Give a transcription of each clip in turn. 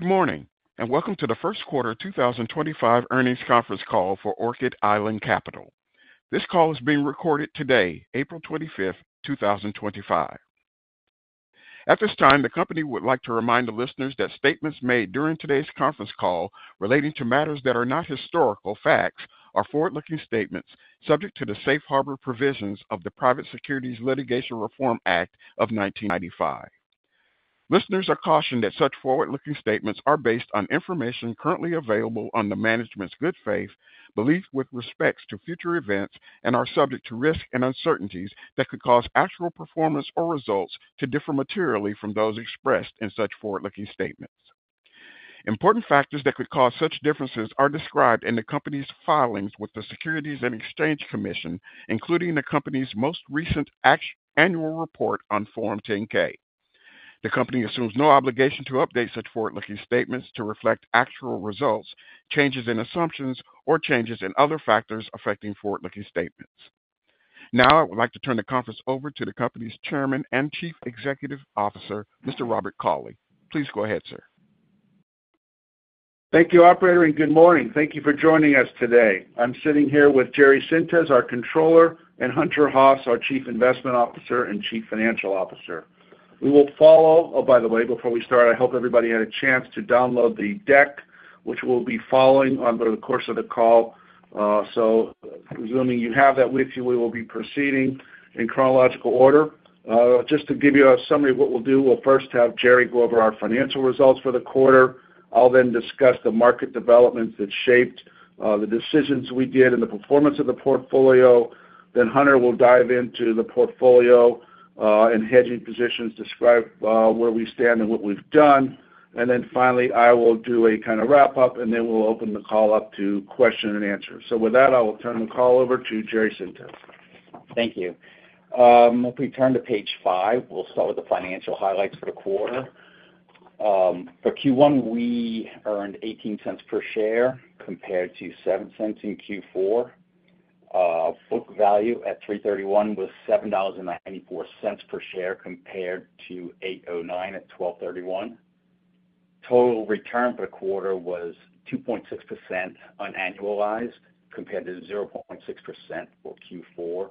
Good morning, and welcome to the First Quarter 2025 Earnings Conference Call for Orchid Island Capital. This call is being recorded today, April 25th, 2025. At this time, the company would like to remind the listeners that statements made during today's conference call relating to matters that are not historical facts are forward-looking statements subject to the safe harbor provisions of the Private Securities Litigation Reform Act of 1995. Listeners are cautioned that such forward-looking statements are based on information currently available on the management's good faith belief with respect to future events, and are subject to risks and uncertainties that could cause actual performance or results to differ materially from those expressed in such forward-looking statements. Important factors that could cause such differences are described in the company's filings with the Securities and Exchange Commission, including the company's most recent annual report on Form 10-K. The company assumes no obligation to update such forward-looking statements to reflect actual results, changes in assumptions, or changes in other factors affecting forward-looking statements. Now, I would like to turn the conference over to the company's Chairman and Chief Executive Officer, Mr. Robert Cauley. Please go ahead, sir. Thank you, operator, and good morning. Thank you for joining us today. I'm sitting here with Jerry Sintes, our Controller, and Hunter Haas, our Chief Investment Officer and Chief Financial Officer. We will follow, oh, by the way, before we start, I hope everybody had a chance to download the deck, which we'll be following over the course of the call. Assuming you have that with you, we will be proceeding in chronological order. Just to give you a summary of what we'll do, we'll first have Jerry go over our financial results for the quarter. I'll then discuss the market developments that shaped the decisions we did and the performance of the portfolio. Hunter will dive into the portfolio and hedging positions, describe where we stand and what we've done. Finally, I will do a kind of wrap-up, and then we'll open the call up to question and answer. With that, I will turn the call over to Jerry Sintes. Thank you. If we turn to page five, we'll start with the financial highlights for the quarter. For Q1, we earned $0.18 per share compared to $0.07 in Q4. Book value at 3/31 was $7.94 per share compared to $8.09 at 12/31. Total return for the quarter was 2.6% annualized compared to 0.6% for Q4.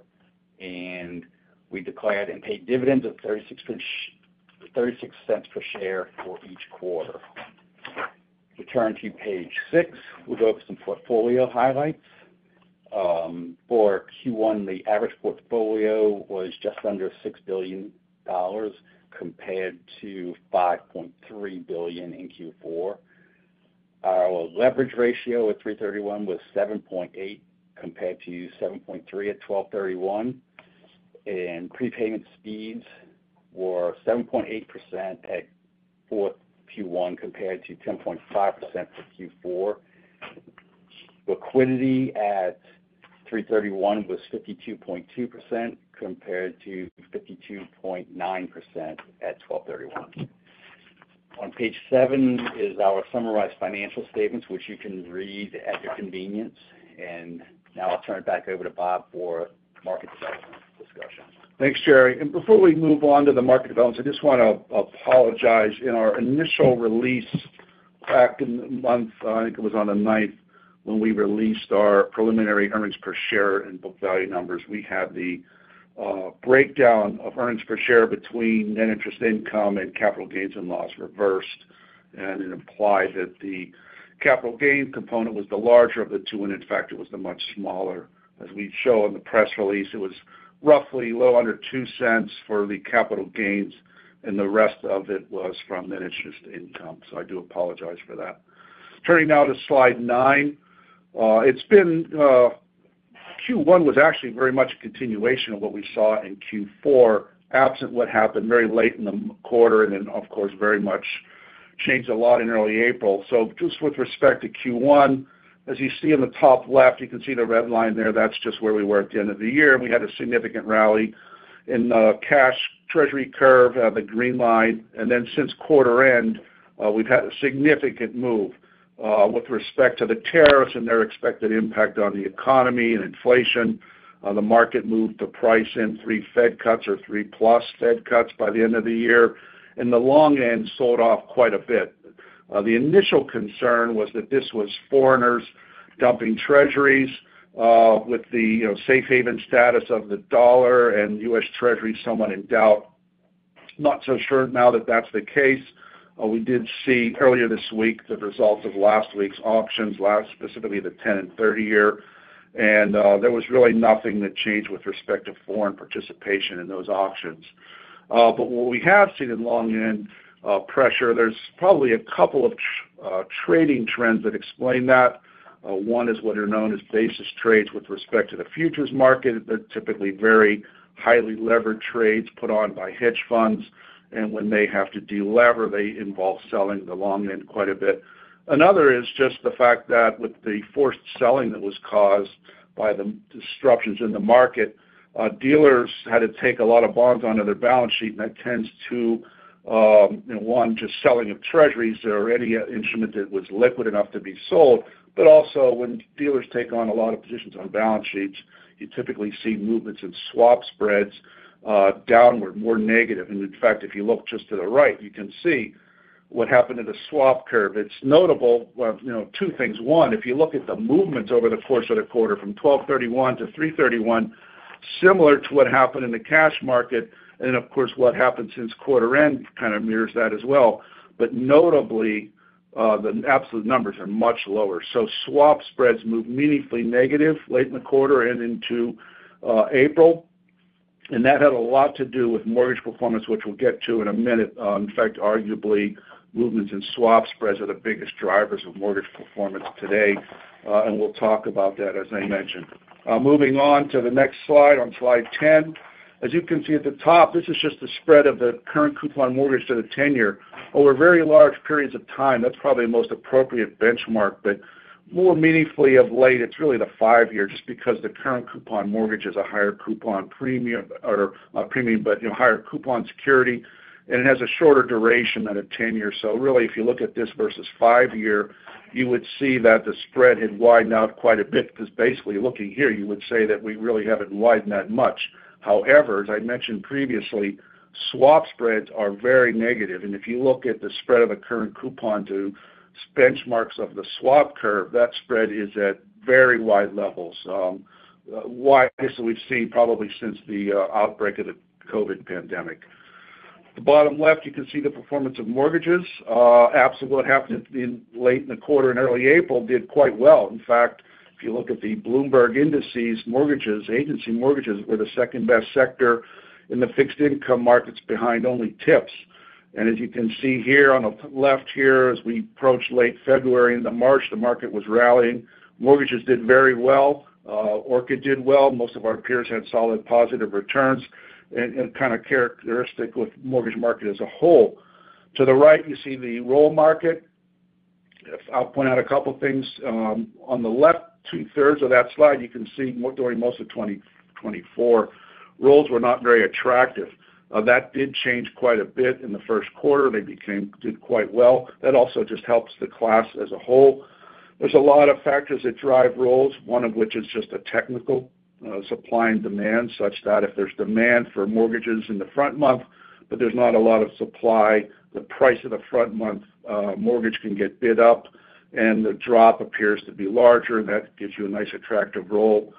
We declared and paid dividends of $0.36 per share for each quarter. Returning to page six, we'll go over some portfolio highlights. For Q1, the average portfolio was just under $6 billion compared to $5.3 billion in Q4. Our leverage ratio at 3/31 was 7.8 compared to 7.3 at 12/31. Prepayment speeds were 7.8% at Q1 compared to 10.5% for Q4. Liquidity at 3/31 was 52.2% compared to 52.9% at 12/31. On page seven is our summarized financial statements, which you can read at your convenience. I will turn it back over to Rob for market development discussion. Thanks, Jerry. Before we move on to the market developments, I just want to apologize. In our initial release back in the month, I think it was on the 9th, when we released our preliminary earnings per share and book value numbers, we had the breakdown of earnings per share between net interest income and capital gains and loss reversed. It implied that the capital gain component was the larger of the two, and in fact, it was the much smaller. As we show on the press release, it was roughly low under $0.02 for the capital gains, and the rest of it was from net interest income. I do apologize for that. Turning now to slide nine, Q1 was actually very much a continuation of what we saw in Q4, absent what happened very late in the quarter and then, of course, very much changed a lot in early April. Just with respect to Q1, as you see in the top left, you can see the red line there. That is just where we were at the end of the year. We had a significant rally in the cash Treasury curve at the green line. Since quarter end, we have had a significant move with respect to the tariffs and their expected impact on the economy and inflation. The market moved to price in three Fed cuts or three-plus Fed cuts by the end of the year. In the long end, sold off quite a bit. The initial concern was that this was foreigners dumping Treasuries with the safe haven status of the dollar and US Treasuries somewhat in doubt. Not so sure now that that's the case. We did see earlier this week the results of last week's auctions, specifically the 10 and 30 year. There was really nothing that changed with respect to foreign participation in those auctions. What we have seen in long end pressure, there's probably a couple of trading trends that explain that. One is what are known as basis trades with respect to the futures market. They're typically very highly levered trades put on by hedge funds. When they have to de-lever, they involve selling the long end quite a bit. Another is just the fact that with the forced selling that was caused by the disruptions in the market, dealers had to take a lot of bonds onto their balance sheet, and that tends to, one, just selling of Treasuries or any instrument that was liquid enough to be sold. Also, when dealers take on a lot of positions on balance sheets, you typically see movements in swap spreads downward, more negative. In fact, if you look just to the right, you can see what happened to the swap curve. It is notable, two things. One, if you look at the movements over the course of the quarter from 12/31 to 3/31, similar to what happened in the cash market. Of course, what happened since quarter end kind of mirrors that as well. Notably, the absolute numbers are much lower. Swap spreads moved meaningfully negative late in the quarter and into April. That had a lot to do with mortgage performance, which we'll get to in a minute. In fact, arguably, movements in swap spreads are the biggest drivers of mortgage performance today. We'll talk about that, as I mentioned. Moving on to the next slide on slide 10. As you can see at the top, this is just the spread of the current coupon mortgage to the 10-year over very large periods of time. That's probably the most appropriate benchmark. More meaningfully of late, it's really the five-year just because the current coupon mortgage is a higher coupon premium or premium, but higher coupon security. It has a shorter duration than a 10-year. If you look at this versus five-year, you would see that the spread had widened out quite a bit because basically looking here, you would say that we really have not widened that much. However, as I mentioned previously, swap spreads are very negative. If you look at the spread of a current coupon to benchmarks of the swap curve, that spread is at very wide levels. Why? This is what we have seen probably since the outbreak of the COVID pandemic. The bottom left, you can see the performance of mortgages. Absolutely what happened late in the quarter and early April did quite well. In fact, if you look at the Bloomberg indices, mortgages, agency mortgages were the second best sector in the fixed income markets, behind only TIPS. As you can see here on the left here, as we approach late February into March, the market was rallying. Mortgages did very well. Orchid did well. Most of our peers had solid positive returns. Kind of characteristic with the mortgage market as a whole. To the right, you see the roll market. I'll point out a couple of things. On the left two-thirds of that slide, you can see during most of 2024, rolls were not very attractive. That did change quite a bit in the first quarter. They did quite well. That also just helps the class as a whole. are a lot of factors that drive rolls, one of which is just a technical supply and demand such that if there is demand for mortgages in the front month, but there is not a lot of supply, the price of the front month mortgage can get bid up, and the drop appears to be larger. That gives you a nice attractive roll.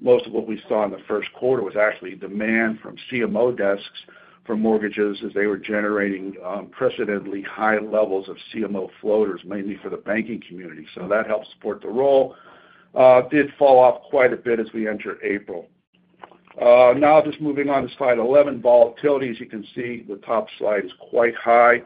Most of what we saw in the first quarter was actually demand from CMO desks for mortgages as they were generating precedently high levels of CMO floaters, mainly for the banking community. That helped support the roll. It did fall off quite a bit as we entered April. Now, just moving on to slide 11, volatility. As you can see, the top slide is quite high.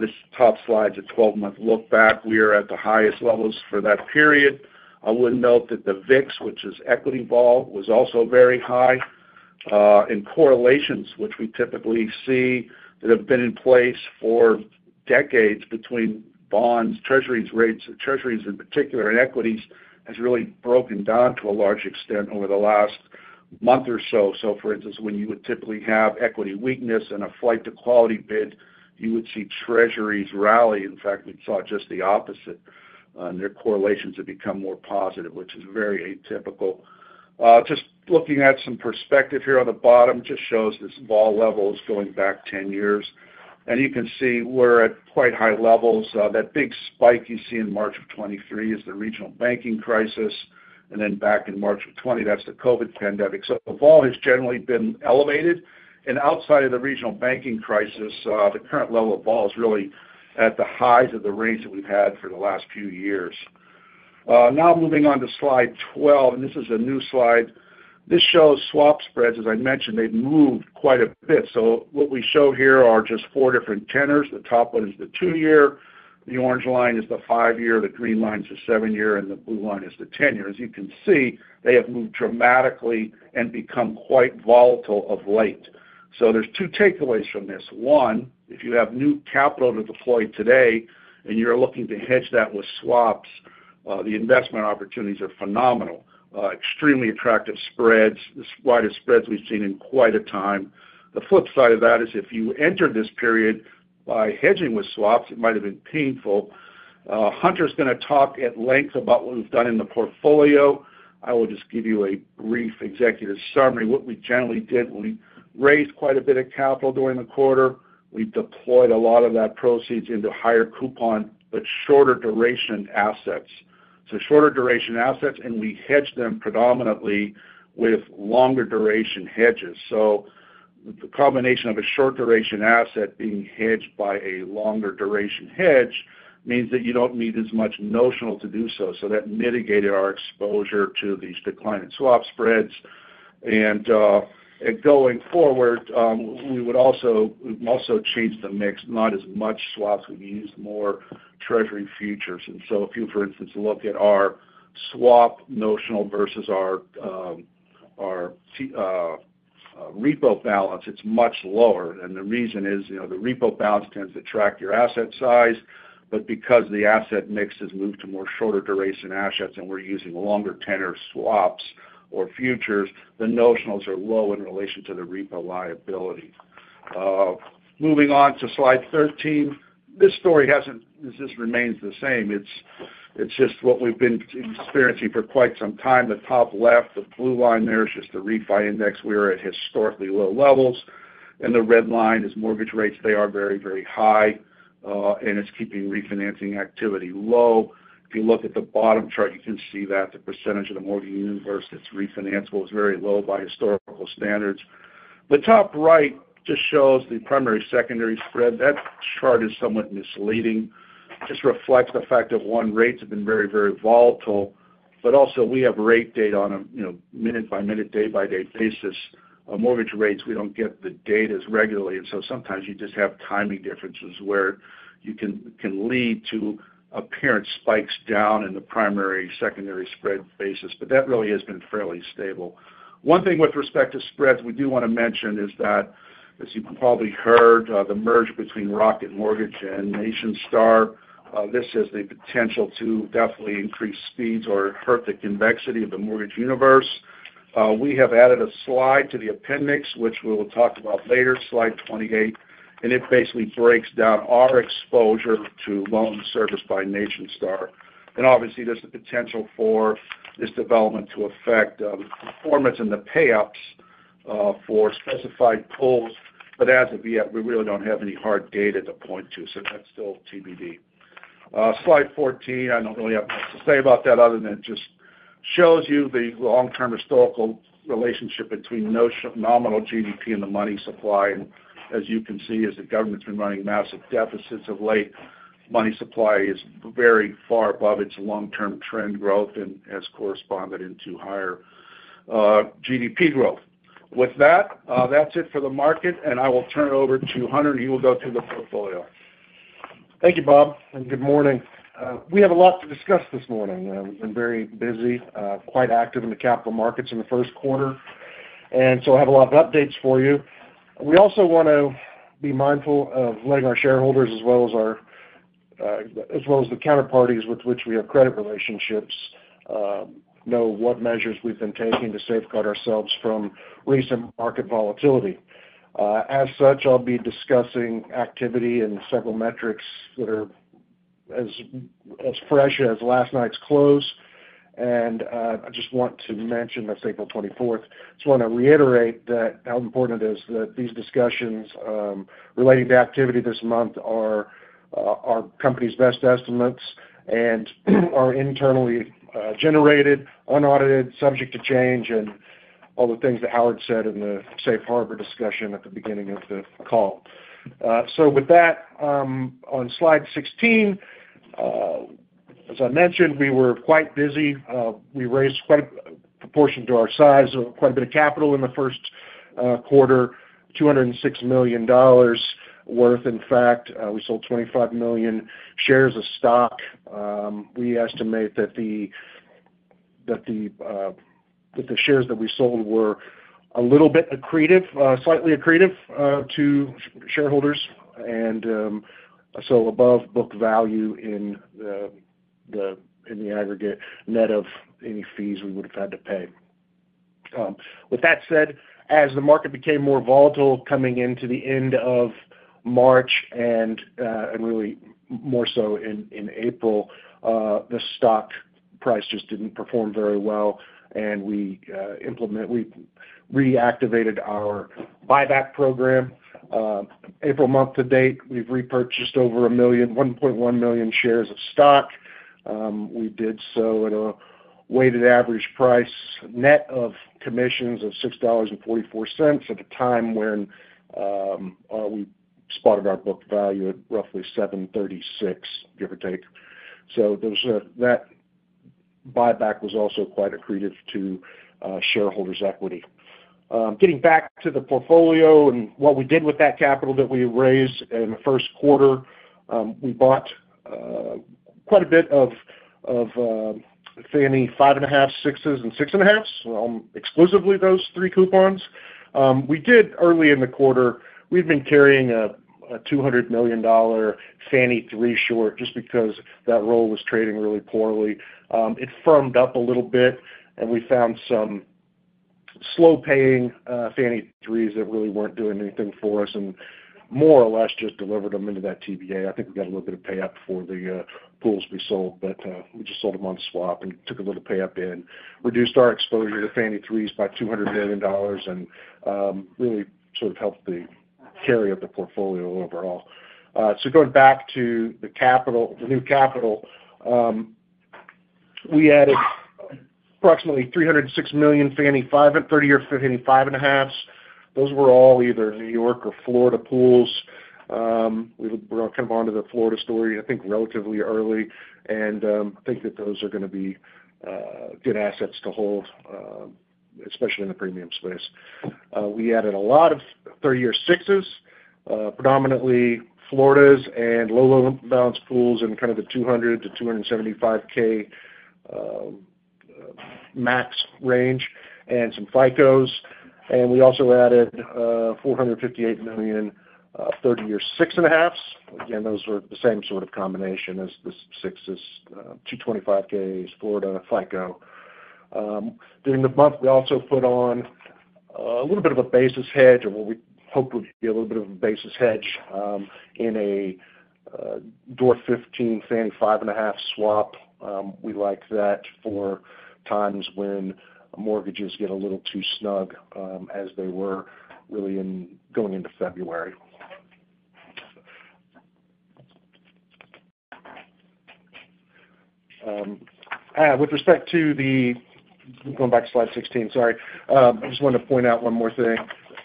This top slide is a 12-month look back. We are at the highest levels for that period. I would note that the VIX, which is equity vol, was also very high. Correlations, which we typically see that have been in place for decades between bonds, Treasuries rates, Treasuries in particular, and equities has really broken down to a large extent over the last month or so. For instance, when you would typically have equity weakness and a flight to quality bid, you would see Treasuries rally. In fact, we saw just the opposite. Their correlations have become more positive, which is very atypical. Just looking at some perspective here on the bottom just shows this vol level is going back 10 years. You can see we are at quite high levels. That big spike you see in March of 2023 is the regional banking crisis. Back in March of 2020, that is the COVID pandemic. The vol has generally been elevated. Outside of the regional banking crisis, the current level of vol is really at the highs of the range that we've had for the last few years. Now, moving on to slide 12, and this is a new slide. This shows swap spreads, as I mentioned, they've moved quite a bit. What we show here are just four different tenors. The top one is the two-year. The orange line is the five-year. The green line is the seven-year. The blue line is the ten-year. As you can see, they have moved dramatically and become quite volatile of late. There are two takeaways from this. One, if you have new capital to deploy today and you're looking to hedge that with swaps, the investment opportunities are phenomenal. Extremely attractive spreads. The widest spreads we've seen in quite a time. The flip side of that is if you entered this period by hedging with swaps, it might have been painful. Hunter's going to talk at length about what we've done in the portfolio. I will just give you a brief executive summary. What we generally did, we raised quite a bit of capital during the quarter. We deployed a lot of that proceeds into higher coupon, but shorter duration assets. Shorter duration assets, and we hedged them predominantly with longer duration hedges. The combination of a short duration asset being hedged by a longer duration hedge means that you do not need as much notional to do so. That mitigated our exposure to these declining swap spreads. Going forward, we would also change the mix. Not as much swaps. We've used more treasury futures. If you, for instance, look at our swap notional versus our repo balance, it is much lower. The reason is the repo balance tends to track your asset size. Because the asset mix has moved to more shorter duration assets and we are using longer tenor swaps or futures, the notionals are low in relation to the repo liability. Moving on to slide 13. This story has not just remained the same. It is just what we have been experiencing for quite some time. The top left, the blue line there is just the refi index. We are at historically low levels. The red line is mortgage rates. They are very, very high. It is keeping refinancing activity low. If you look at the bottom chart, you can see that the percentage of the mortgage universe that is refinanceable is very low by historical standards. The top right just shows the primary secondary spread. That chart is somewhat misleading. Just reflects the fact that, one, rates have been very, very volatile. Also, we have rate data on a minute-by-minute, day-by-day basis. Mortgage rates, we do not get the data as regularly, and so sometimes you just have timing differences where you can lead to apparent spikes down in the primary secondary spread basis. That really has been fairly stable. One thing with respect to spreads we do want to mention is that, as you probably heard, the merger between Rocket Mortgage and Mr. Cooper, this has the potential to definitely increase speeds or hurt the convexity of the mortgage universe. We have added a slide to the appendix, which we will talk about later, slide 28. It basically breaks down our exposure to loans serviced by Mr. Cooper. Obviously, there's the potential for this development to affect performance and the payouts for specified pools. As of yet, we really do not have any hard data to point to. That is still TBD. Slide 14, I do not really have much to say about that other than it just shows you the long-term historical relationship between nominal GDP and the money supply. As you can see, as the government's been running massive deficits of late, money supply is very far above its long-term trend growth and has corresponded into higher GDP growth. With that, that is it for the market. I will turn it over to Hunter, and he will go through the portfolio. Thank you, Rob. Good morning. We have a lot to discuss this morning. We have been very busy, quite active in the capital markets in the first quarter. I have a lot of updates for you. We also want to be mindful of letting our shareholders as well as the counterparties with which we have credit relationships know what measures we've been taking to safeguard ourselves from recent market volatility. As such, I'll be discussing activity and several metrics that are as fresh as last night's close. I just want to mention that's April 24th. I just want to reiterate that how important it is that these discussions relating to activity this month are our company's best estimates and are internally generated, unaudited, subject to change, and all the things that Howard said in the safe harbor discussion at the beginning of the call. With that, on slide 16, as I mentioned, we were quite busy. We raised quite a proportion to our size of quite a bit of capital in the first quarter, $206 million worth. In fact, we sold 25 million shares of stock. We estimate that the shares that we sold were a little bit accretive, slightly accretive to shareholders. And so above book value in the aggregate net of any fees we would have had to pay. With that said, as the market became more volatile coming into the end of March and really more so in April, the stock price just did not perform very well. We reactivated our buyback program. April month to date, we have repurchased over 1.1 million shares of stock. We did so at a weighted average price net of commissions of $6.44 at a time when we spotted our book value at roughly $7.36, give or take. That buyback was also quite accretive to shareholders' equity. Getting back to the portfolio and what we did with that capital that we raised in the first quarter, we bought quite a bit of Fannie 5 and a half, 6s, and 6 and a halfs, exclusively those three coupons. Early in the quarter, we've been carrying a $200 million Fannie 3 short just because that role was trading really poorly. It firmed up a little bit. We found some slow-paying Fannie 3s that really were not doing anything for us and more or less just delivered them into that TBA. I think we got a little bit of payout for the pools we sold. We just sold them on swap and took a little payout in, reduced our exposure to Fannie 3s by $200 million and really sort of helped the carry of the portfolio overall. Going back to the new capital, we added approximately $306 million Fannie 5 and 30 or Fannie 5 and a halfs. Those were all either New York or Florida pools. We were kind of onto the Florida story, I think, relatively early. I think that those are going to be good assets to hold, especially in the premium space. We added a lot of 30-year 6s, predominantly Floridas and low-loan balance pools in the $200,000-$275,000 max range and some FICOs. We also added $458 million 30-year 6 and a halfs. Again, those were the same sort of combination as the 6s, $225,000s, Florida, FICO. During the month, we also put on a little bit of a basis hedge or what we hoped would be a little bit of a basis hedge in a dur 15 Fannie 5 and a half swap. We like that for times when mortgages get a little too snug as they were really going into February. With respect to the going back to slide 16, sorry. I just wanted to point out one more thing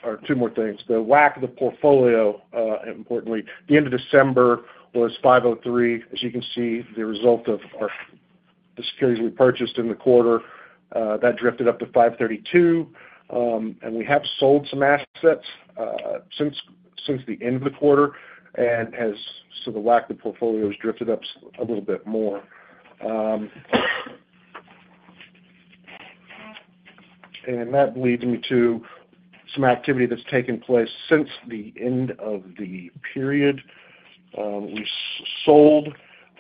or two more things. The WAC of the portfolio, importantly, the end of December was 5.03. As you can see, the result of the securities we purchased in the quarter, that drifted up to 5.32. We have sold some assets since the end of the quarter. The WAC of the portfolio has drifted up a little bit more. That leads me to some activity that's taken place since the end of the period. We sold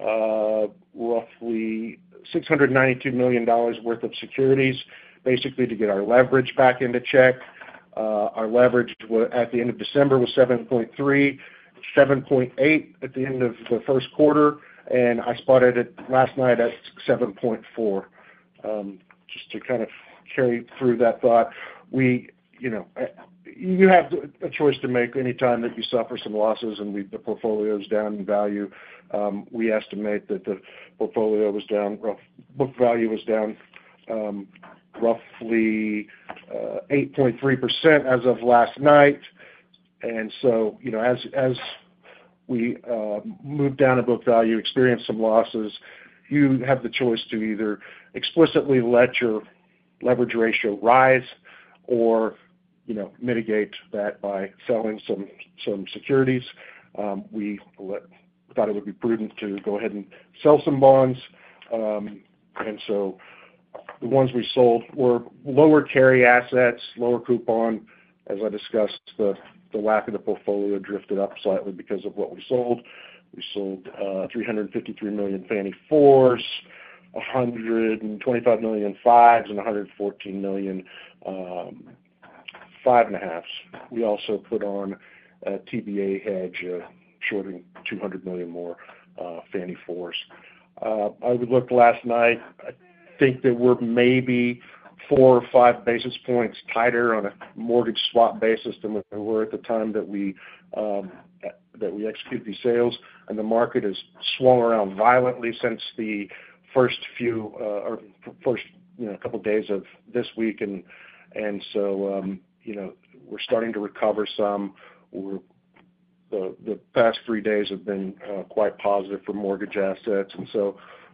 roughly $692 million worth of securities, basically to get our leverage back into check. Our leverage at the end of December was 7.3, 7.8 at the end of the first quarter. I spotted it last night at 7.4. Just to kind of carry through that thought, you have a choice to make anytime that you suffer some losses and the portfolio is down in value. We estimate that the portfolio was down, book value was down roughly 8.3% as of last night. As we moved down in book value, experienced some losses, you have the choice to either explicitly let your leverage ratio rise or mitigate that by selling some securities. We thought it would be prudent to go ahead and sell some bonds. The ones we sold were lower carry assets, lower coupon. As I discussed, the WAC of the portfolio drifted up slightly because of what we sold. We sold $353 million Fannie 4s, $125 million 5s, and $114 million 5 and a halfs. We also put on a TBA hedge, shorting $200 million more Fannie 4s. I would look last night. I think that we're maybe four or five basis points tighter on a mortgage swap basis than we were at the time that we executed these sales. The market has swung around violently since the first few or first couple of days of this week. We are starting to recover some. The past three days have been quite positive for mortgage assets. We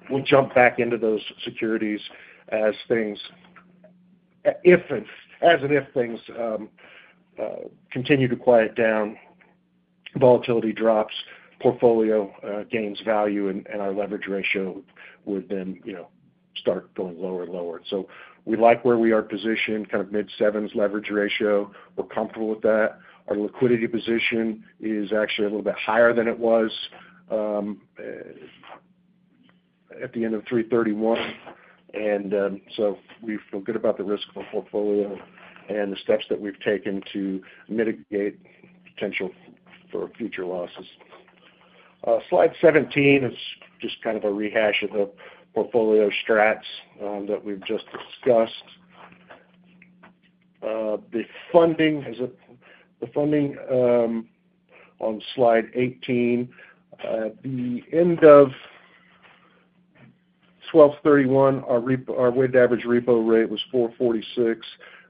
will jump back into those securities as and if things continue to quiet down, volatility drops, portfolio gains value, and our leverage ratio would then start going lower and lower. We like where we are positioned, kind of mid-sevens leverage ratio. We're comfortable with that. Our liquidity position is actually a little bit higher than it was at the end of 3/31. We feel good about the risk of our portfolio and the steps that we've taken to mitigate potential for future losses. Slide 17 is just kind of a rehash of the portfolio strats that we've just discussed. The funding on slide 18, the end of 12/31, our weighted average repo rate was 4.46. It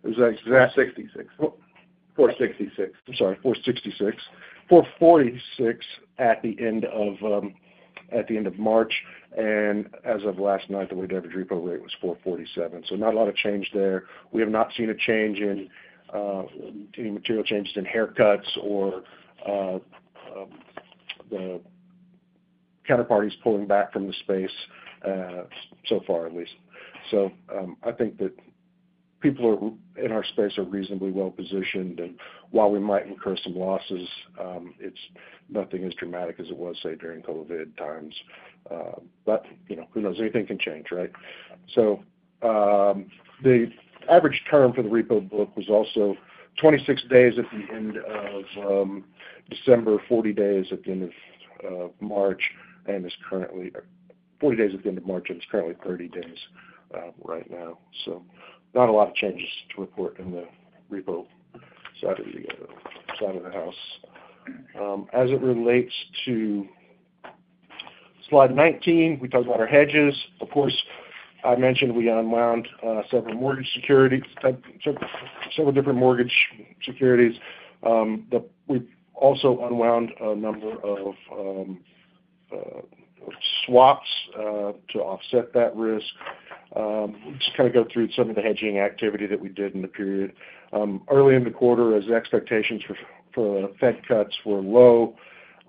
was exactly 4.66. I'm sorry, 4.66. 4.46 at the end of March. As of last night, the weighted average repo rate was 4.47. Not a lot of change there. We have not seen any material changes in haircuts or the counterparties pulling back from the space so far, at least. I think that people in our space are reasonably well positioned. While we might incur some losses, nothing as dramatic as it was, say, during COVID times. Who knows? Anything can change, right? The average term for the repo book was also 26 days at the end of December, 40 days at the end of March, and is currently 30 days right now. Not a lot of changes to report in the repo side of the house. As it relates to slide 19, we talked about our hedges. Of course, I mentioned we unwound several mortgage securities, several different mortgage securities. We also unwound a number of swaps to offset that risk. We'll just kind of go through some of the hedging activity that we did in the period. Early in the quarter, as expectations for Fed cuts were low,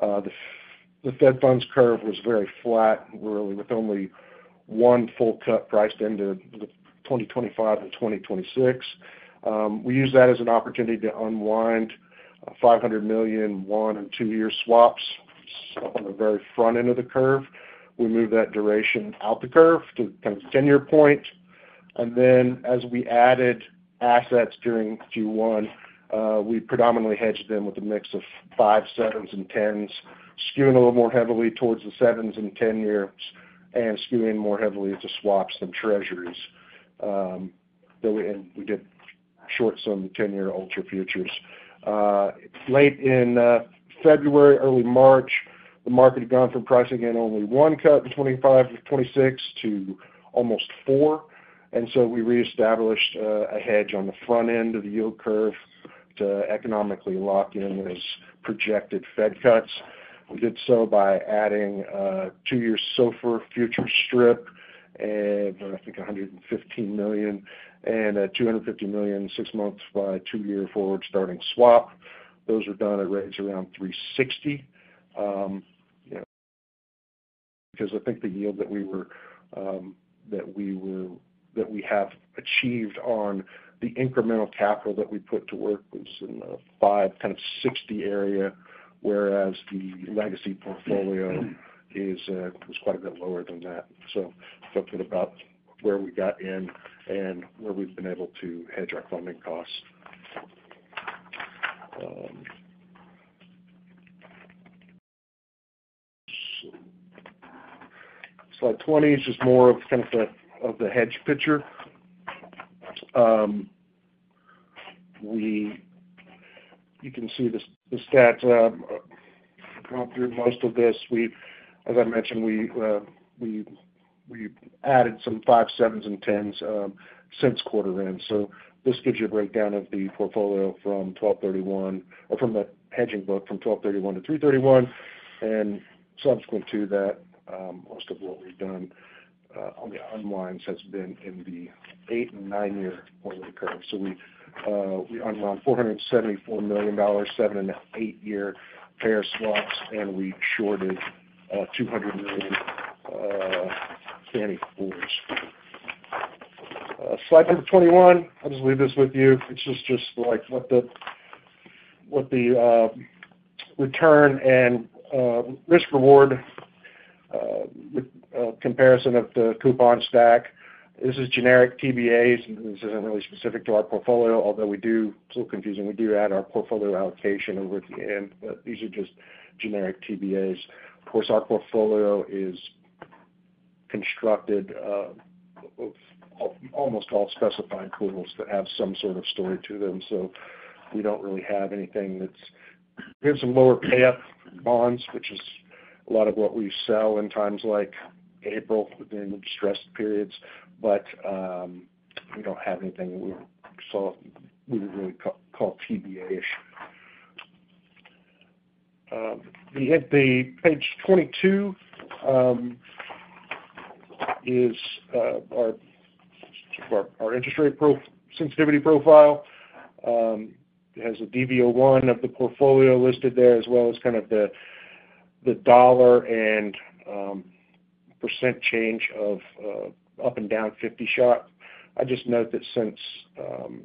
the Fed funds curve was very flat, really, with only one full cut priced into 2025 and 2026. We used that as an opportunity to unwind $500 million one and two-year swaps on the very front end of the curve. We moved that duration out the curve to kind of the 10-year point. As we added assets during Q1, we predominantly hedged them with a mix of five, sevens, and tens, skewing a little more heavily towards the sevens and 10-years and skewing more heavily to swaps than Treasuries. We did short some 10-year Ultra futures. Late in February, early March, the market had gone from pricing in only one cut in 2025 or 2026 to almost four. We reestablished a hedge on the front end of the yield curve to economically lock in those projected Fed cuts. We did so by adding a two-year SOFR future strip of, I think, $115 million and $250 million six months by two-year forward starting swap. Those were done at rates around 360 because I think the yield that we have achieved on the incremental capital that we put to work was in the five, kind of 60 area, whereas the legacy portfolio was quite a bit lower than that. We are talking about where we got in and where we have been able to hedge our funding costs. Slide 20 is just more of kind of the hedge picture. You can see the stats going through most of this. As I mentioned, we added some five sevens and tens since quarter end. This gives you a breakdown of the portfolio from 12/31 or from the hedging book from 12/31 to 3/31. Subsequent to that, most of what we have done on the unwinds has been in the eight and nine-year quarterly curve. We unwound $474 million, seven and eight-year payer swaps, and we shorted $200 million Fannie 4s. Slide number 21. I'll just leave this with you. It's just like what the return and risk-reward comparison of the coupon stack. This is generic TBAs. This isn't really specific to our portfolio, although it's a little confusing. We do add our portfolio allocation over at the end, but these are just generic TBAs. Of course, our portfolio is constructed of almost all specified pools that have some sort of story to them. We don't really have anything that's—we have some lower payout bonds, which is a lot of what we sell in times like April during the stress periods. We don't have anything we would really call TBA-ish. The page 22 is our interest rate sensitivity profile. It has a DV01 of the portfolio listed there as well as kind of the dollar and % change of up and down 50 shocks. I just note that since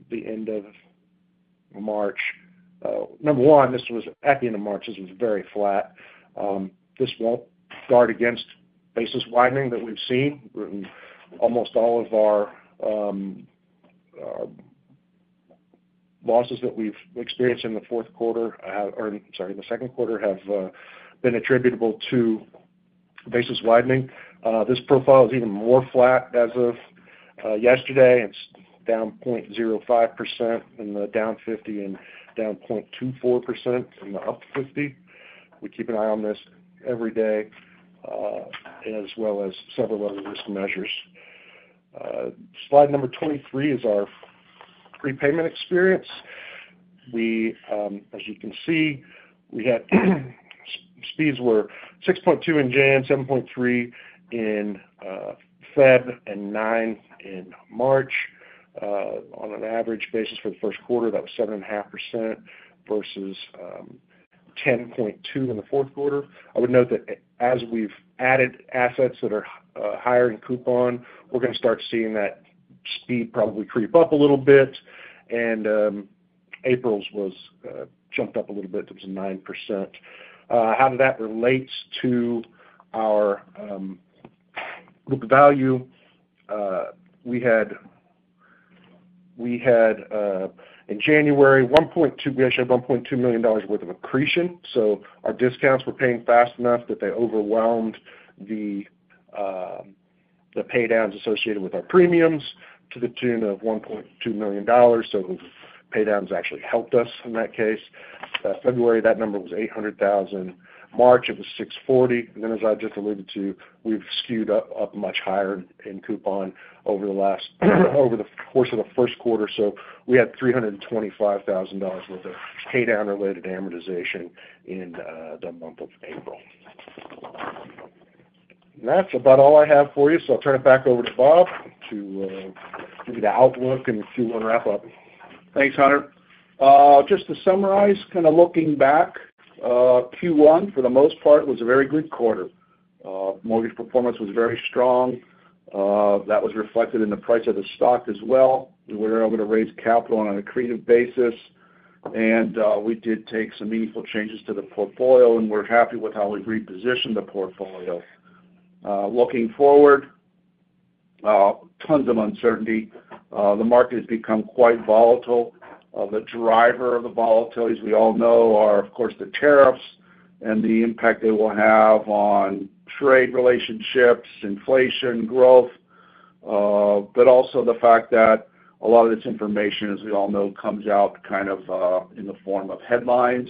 the end of March, number one, this was at the end of March, this was very flat. This will not guard against basis widening that we have seen. Almost all of our losses that we have experienced in the second quarter have been attributable to basis widening. This profile is even more flat as of yesterday. It is down 0.05% in the down 50 and down 0.24% in the up 50. We keep an eye on this every day as well as several other risk measures. Slide number 23 is our prepayment experience. As you can see, we had speeds were 6.2 in January, 7.3 in February, and 9 in March. On an average basis for the first quarter, that was 7.5% versus 10.2% in the fourth quarter. I would note that as we've added assets that are higher in coupon, we're going to start seeing that speed probably creep up a little bit. April's was jumped up a little bit. It was 9%. How did that relate to our book value? We had in January, we actually had $1.2 million worth of accretion. So our discounts were paying fast enough that they overwhelmed the paydowns associated with our premiums to the tune of $1.2 million. So paydowns actually helped us in that case. February, that number was $800,000. March, it was $640,000. As I just alluded to, we've skewed up much higher in coupon over the course of the first quarter. We had $325,000 worth of paydown-related amortization in the month of April. That's about all I have for you. I'll turn it back over to Rob to give you the outlook and see if we want to wrap up. Thanks, Hunter. Just to summarize, kind of looking back, Q1, for the most part, was a very good quarter. Mortgage performance was very strong. That was reflected in the price of the stock as well. We were able to raise capital on an accretive basis. We did take some meaningful changes to the portfolio, and we're happy with how we've repositioned the portfolio. Looking forward, tons of uncertainty. The market has become quite volatile. The driver of the volatility, as we all know, are, of course, the tariffs and the impact they will have on trade relationships, inflation, growth, but also the fact that a lot of this information, as we all know, comes out kind of in the form of headlines,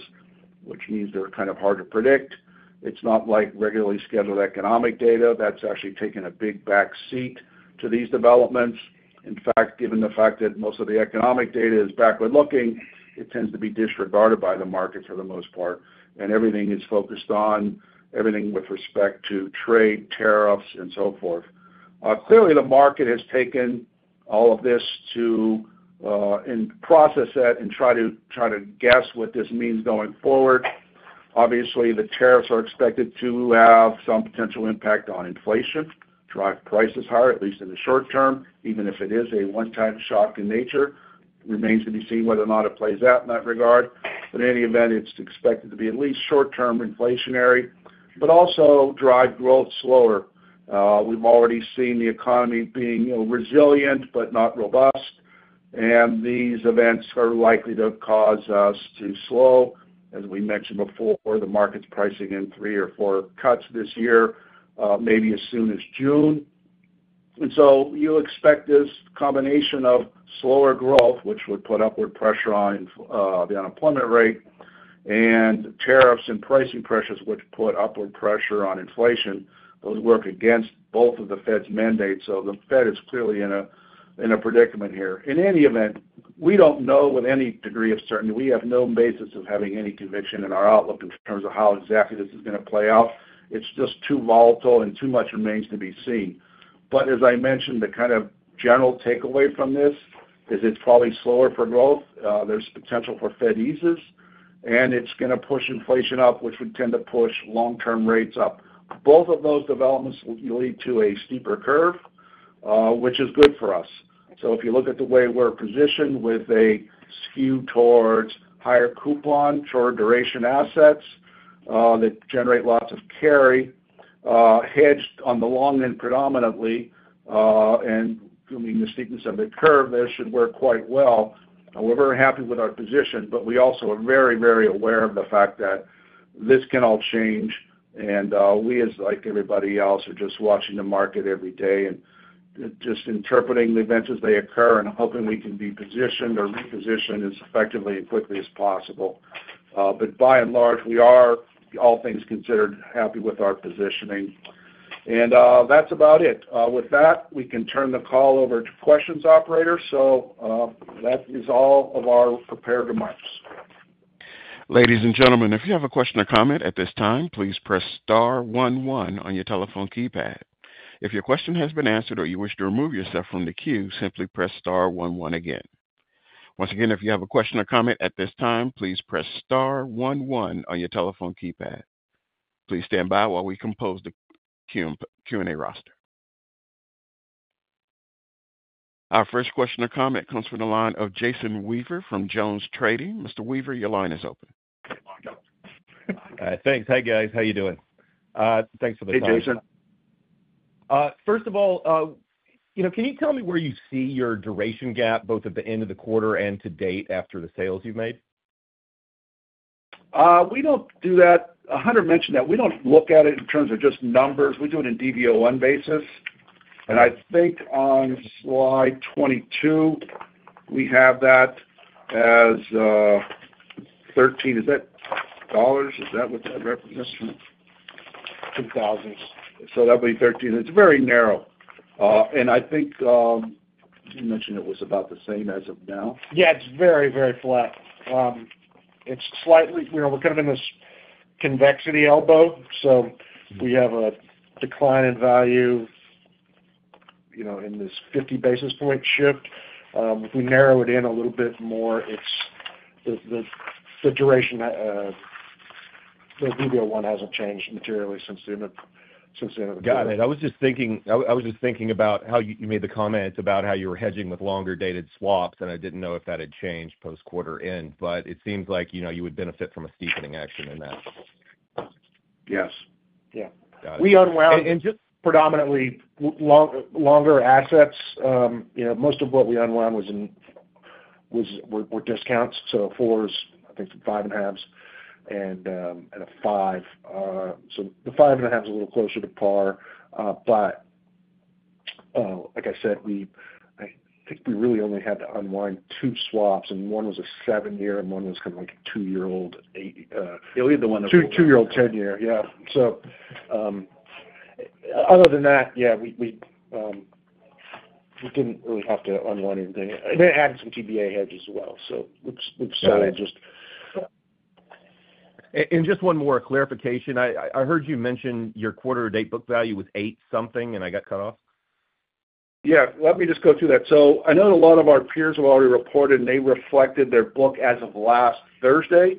which means they're kind of hard to predict. It's not like regularly scheduled economic data. That's actually taken a big backseat to these developments. In fact, given the fact that most of the economic data is backward-looking, it tends to be disregarded by the market for the most part. Everything is focused on everything with respect to trade, tariffs, and so forth. Clearly, the market has taken all of this to process that and try to guess what this means going forward. Obviously, the tariffs are expected to have some potential impact on inflation, drive prices higher, at least in the short term, even if it is a one-time shock in nature. It remains to be seen whether or not it plays out in that regard. In any event, it is expected to be at least short-term inflationary, but also drive growth slower. We have already seen the economy being resilient but not robust. These events are likely to cause us to slow. As we mentioned before, the market is pricing in three or four cuts this year, maybe as soon as June. You expect this combination of slower growth, which would put upward pressure on the unemployment rate, and tariffs and pricing pressures, which put upward pressure on inflation, those work against both of the Fed's mandates. The Fed is clearly in a predicament here. In any event, we don't know with any degree of certainty. We have no basis of having any conviction in our outlook in terms of how exactly this is going to play out. It's just too volatile and too much remains to be seen. As I mentioned, the kind of general takeaway from this is it's probably slower for growth. There's potential for Fed eases, and it's going to push inflation up, which would tend to push long-term rates up. Both of those developments will lead to a steeper curve, which is good for us. If you look at the way we're positioned with a skew towards higher coupon short-duration assets that generate lots of carry, hedged on the long end predominantly, and given the steepness of the curve, this should work quite well. We're very happy with our position, but we also are very, very aware of the fact that this can all change. We, like everybody else, are just watching the market every day and just interpreting the events as they occur and hoping we can be positioned or repositioned as effectively and quickly as possible. By and large, we are, all things considered, happy with our positioning. That is about it. With that, we can turn the call over to questions, operator. That is all of our prepared remarks. Ladies and gentlemen, if you have a question or comment at this time, please press star 11 on your telephone keypad. If your question has been answered or you wish to remove yourself from the queue, simply press star 11 again. Once again, if you have a question or comment at this time, please press star 11 on your telephone keypad. Please stand by while we compose the Q&A roster. Our first question or comment comes from the line of Jason Weaver from JonesTrading. Mr. Weaver, your line is open. Thanks. Hi, guys. How are you doing? Thanks for the time. Hey, Jason. First of all, can you tell me where you see your duration gap, both at the end of the quarter and to date after the sales you've made? We do not do that. Hunter mentioned that. We do not look at it in terms of just numbers. We do it on a DV01 basis. And I think on slide 22, we have that as 13. Is that dollars? Is that what that represents? 2,000. That would be 13. It is very narrow. I think you mentioned it was about the same as of now. Yeah, it's very, very flat. It's slightly—we're kind of in this convexity elbow. We have a decline in value in this 50 basis point shift. If we narrow it in a little bit more, the duration, the DV01 hasn't changed materially since the end of the quarter. Got it. I was just thinking about how you made the comment about how you were hedging with longer-dated swaps, and I didn't know if that had changed post-quarter end. It seems like you would benefit from a steepening action in that. Yes. Yeah. We unwound. Predominantly longer assets. Most of what we unwound were discounts. Fours, I think, five and a halves, and a five. The five and a half is a little closer to par. Like I said, I think we really only had to unwind two swaps, and one was a seven-year and one was kind of like a two-year-old. You only had the one that was two-year-old ten-year, yeah. Other than that, we didn't really have to unwind anything. Then added some TBA hedges as well. We've sold just— Just one more clarification. I heard you mention your quarter-to-date book value was eight something, and I got cut off. Yeah. Let me just go through that. I know a lot of our peers have already reported, and they reflected their book as of last Thursday.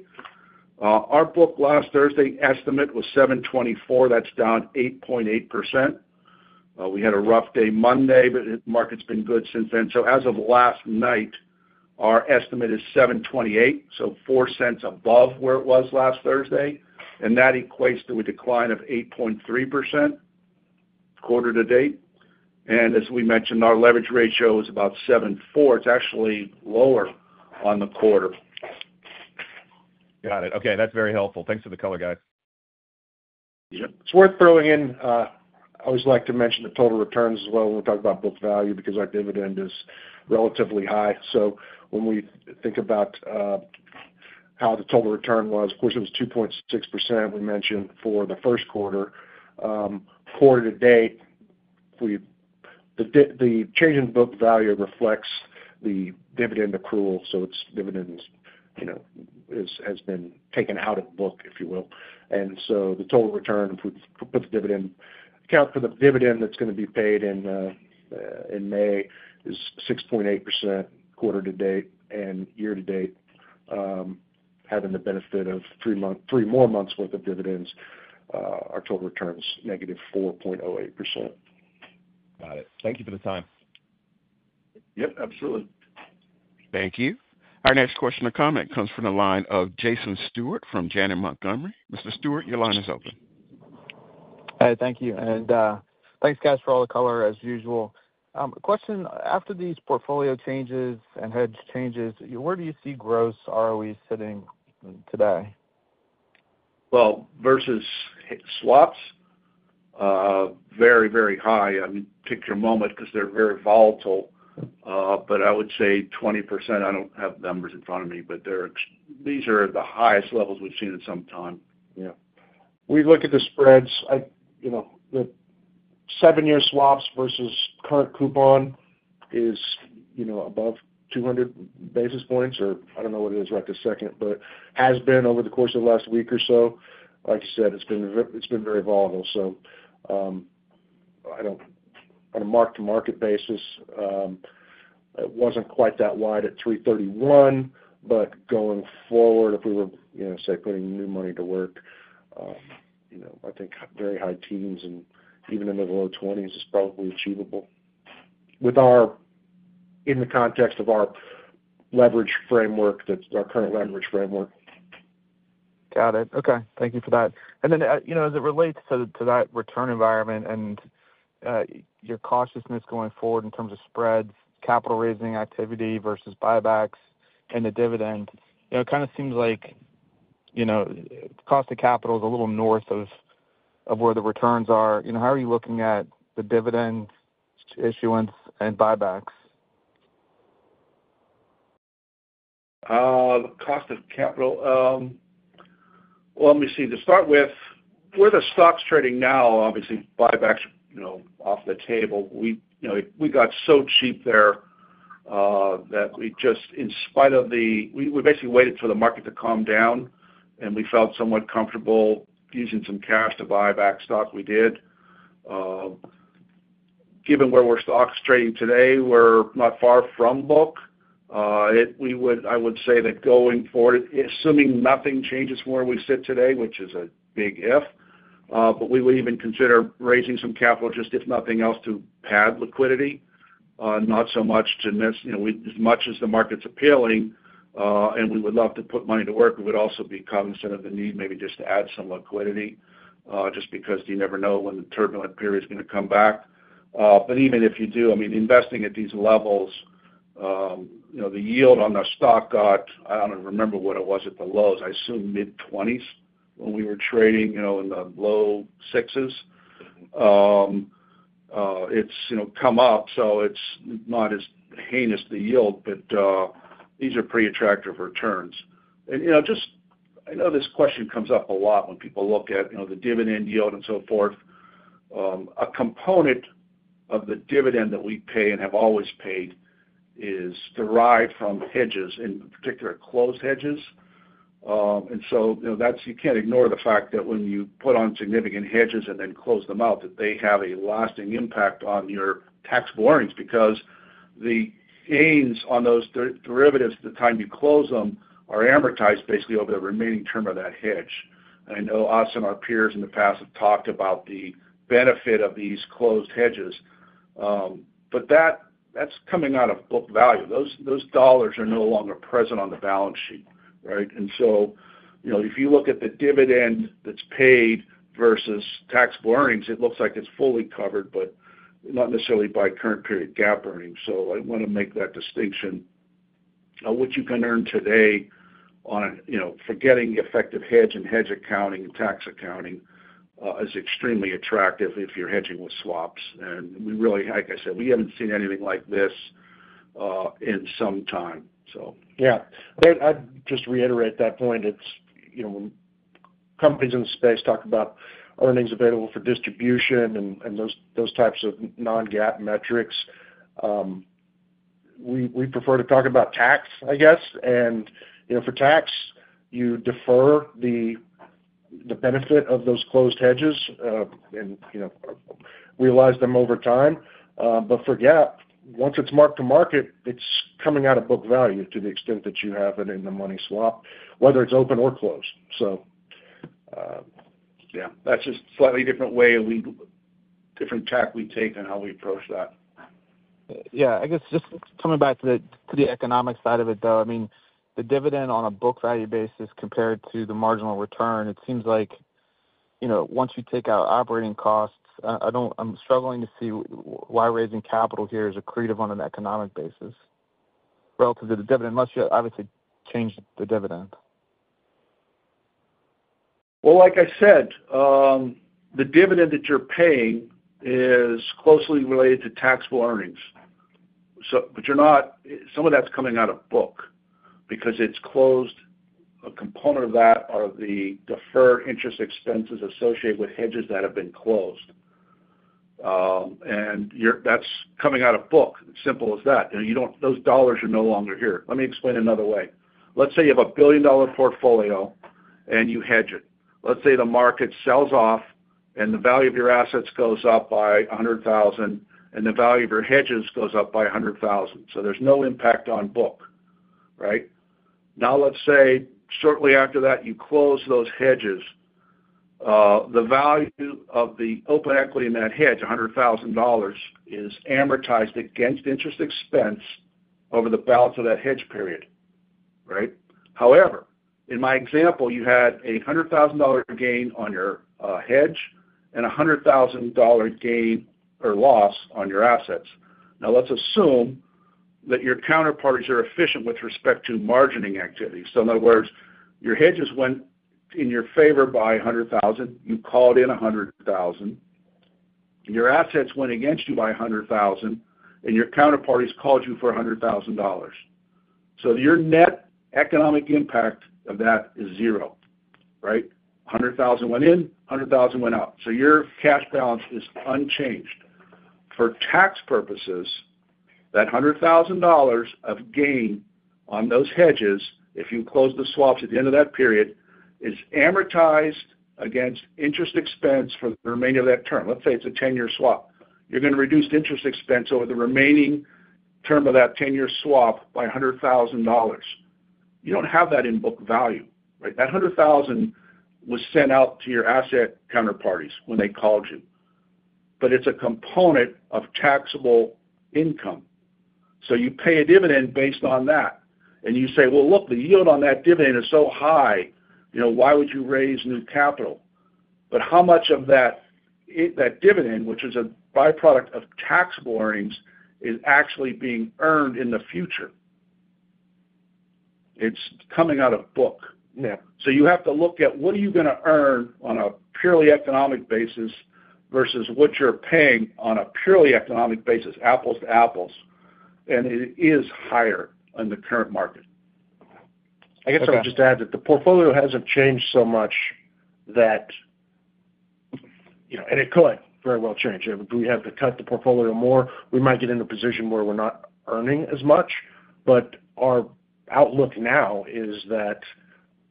Our book last Thursday estimate was $7.24. That's down 8.8%. We had a rough day Monday, but the market's been good since then. As of last night, our estimate is $7.28, so $0.04 above where it was last Thursday. That equates to a decline of 8.3% quarter-to-date. As we mentioned, our leverage ratio is about 7.4. It's actually lower on the quarter. Got it. Okay. That's very helpful. Thanks for the color, guys. Yeah. It's worth throwing in—I always like to mention the total returns as well when we talk about book value because our dividend is relatively high. When we think about how the total return was, of course, it was 2.6% we mentioned for the first quarter. Quarter-to-date, the change in book value reflects the dividend accrual. Dividends have been taken out of book, if you will. The total return for the dividend account for the dividend that's going to be paid in May is 6.8% quarter-to-date and year-to-date. Having the benefit of three more months' worth of dividends, our total return is negative 4.08%. Got it. Thank you for the time. Yep, absolutely. Thank you. Our next question or comment comes from the line of Jason Stewart from Janney Montgomery Scott. Mr. Stewart, your line is open. Hey, thank you. And thanks, guys, for all the color, as usual. Question: after these portfolio changes and hedge changes, where do you see gross ROE sitting today? Very, very high. I mean, pick your moment because they're very volatile. I would say 20%. I do not have numbers in front of me, but these are the highest levels we've seen in some time. Yeah. We look at the spreads. The seven-year swaps versus current coupon is above 200 basis points, or I do not know what it is right this second, but has been over the course of the last week or so. Like I said, it has been very volatile. On a mark-to-market basis, it was not quite that wide at 3.31, but going forward, if we were, say, putting new money to work, I think very high teens and even into the low 20s is probably achievable in the context of our current leverage framework. Got it. Okay. Thank you for that. As it relates to that return environment and your cautiousness going forward in terms of spreads, capital raising activity versus buybacks and the dividend, it kind of seems like cost of capital is a little north of where the returns are. How are you looking at the dividend issuance and buybacks? Cost of capital? Let me see. To start with, where the stock is trading now, obviously, buybacks are off the table. We got so cheap there that we just, in spite of the—we basically waited for the market to calm down, and we felt somewhat comfortable using some cash to buy back stock. We did. Given where we're stock trading today, we're not far from book. I would say that going forward, assuming nothing changes from where we sit today, which is a big if, we would even consider raising some capital just if nothing else to pad liquidity, not so much to miss as much as the market's appealing. We would love to put money to work. We would also be cognizant of the need maybe just to add some liquidity just because you never know when the turbulent period is going to come back. Even if you do, I mean, investing at these levels, the yield on our stock got, I do not remember what it was at the lows, I assume mid-20s when we were trading in the low 6s. It has come up, so it is not as heinous the yield, but these are pretty attractive returns. I know this question comes up a lot when people look at the dividend yield and so forth. A component of the dividend that we pay and have always paid is derived from hedges, in particular closed hedges. You cannot ignore the fact that when you put on significant hedges and then close them out, they have a lasting impact on your taxable earnings because the gains on those derivatives at the time you close them are amortized basically over the remaining term of that hedge. I know us and our peers in the past have talked about the benefit of these closed hedges. That is coming out of book value. Those dollars are no longer present on the balance sheet, right? If you look at the dividend that is paid versus taxable earnings, it looks like it is fully covered, but not necessarily by current period GAAP earnings. I want to make that distinction. What you can earn today on forgetting effective hedge and hedge accounting and tax accounting is extremely attractive if you are hedging with swaps. Like I said, we have not seen anything like this in some time. Yeah. I would just reiterate that point. Companies in the space talk about earnings available for distribution and those types of non-GAAP metrics. We prefer to talk about tax, I guess. For tax, you defer the benefit of those closed hedges and realize them over time. For GAAP, once it is marked to market, it is coming out of book value to the extent that you have it in the money swap, whether it is open or closed. That is just a slightly different way, different tack we take on how we approach that. I guess just coming back to the economic side of it, though, I mean, the dividend on a book value basis compared to the marginal return, it seems like once you take out operating costs, I am struggling to see why raising capital here is accretive on an economic basis relative to the dividend unless you obviously change the dividend. Like I said, the dividend that you are paying is closely related to taxable earnings. Some of that is coming out of book because it is closed. A component of that are the deferred interest expenses associated with hedges that have been closed. That is coming out of book. It is simple as that. Those dollars are no longer here. Let me explain another way. Let's say you have a billion-dollar portfolio and you hedge it. Let's say the market sells off and the value of your assets goes up by $100,000 and the value of your hedges goes up by $100,000. There is no impact on book, right? Now, let's say shortly after that you close those hedges, the value of the open equity in that hedge, $100,000, is amortized against interest expense over the balance of that hedge period, right? However, in my example, you had a $100,000 gain on your hedge and a $100,000 gain or loss on your assets. Now, let's assume that your counterparties are efficient with respect to margining activity. In other words, your hedges went in your favor by $100,000. You called in $100,000. Your assets went against you by $100,000, and your counterparties called you for $100,000. Your net economic impact of that is zero, right? $100,000 went in, $100,000 went out. Your cash balance is unchanged. For tax purposes, that $100,000 of gain on those hedges, if you close the swaps at the end of that period, is amortized against interest expense for the remainder of that term. Let's say it is a 10-year swap. You are going to reduce interest expense over the remaining term of that 10-year swap by $100,000. You do not have that in book value, right? That $100,000 was sent out to your asset counterparties when they called you. It is a component of taxable income. You pay a dividend based on that. You say, "Look, the yield on that dividend is so high. Why would you raise new capital?" How much of that dividend, which is a byproduct of taxable earnings, is actually being earned in the future? It is coming out of book. You have to look at what you are going to earn on a purely economic basis versus what you are paying on a purely economic basis, apples to apples. It is higher on the current market. I guess I would just add that the portfolio has not changed so much that and it could very well change. If we have to cut the portfolio more, we might get in a position where we are not earning as much. Our outlook now is that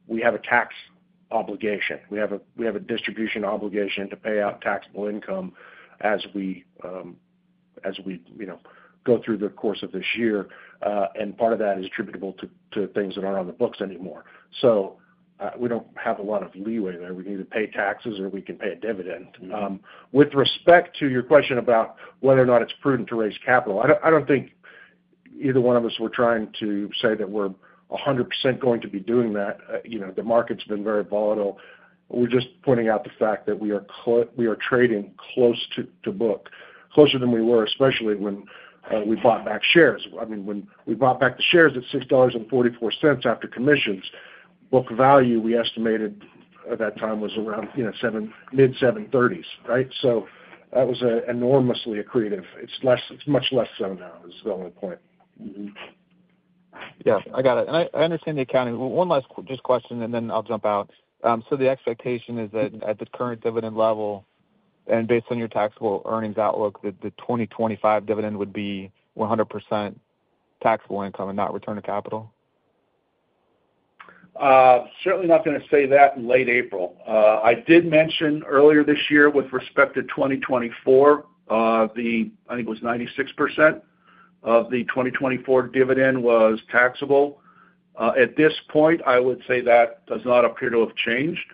we have a tax obligation. We have a distribution obligation to pay out taxable income as we go through the course of this year. Part of that is attributable to things that are not on the books anymore. We do not have a lot of leeway there. We can either pay taxes or we can pay a dividend. With respect to your question about whether or not it is prudent to raise capital, I do not think either one of us were trying to say that we are 100% going to be doing that. The market has been very volatile. We are just pointing out the fact that we are trading close to book, closer than we were, especially when we bought back shares. I mean, when we bought back the shares at $6.44 after commissions, book value we estimated at that time was around mid-730s, right? That was enormously accretive. It's much less so now, is the only point. Yeah. I got it. I understand the accounting. One last just question, then I'll jump out. The expectation is that at the current dividend level and based on your taxable earnings outlook, the 2025 dividend would be 100% taxable income and not return to capital? Certainly not going to say that in late April. I did mention earlier this year with respect to 2024, I think it was 96% of the 2024 dividend was taxable. At this point, I would say that does not appear to have changed.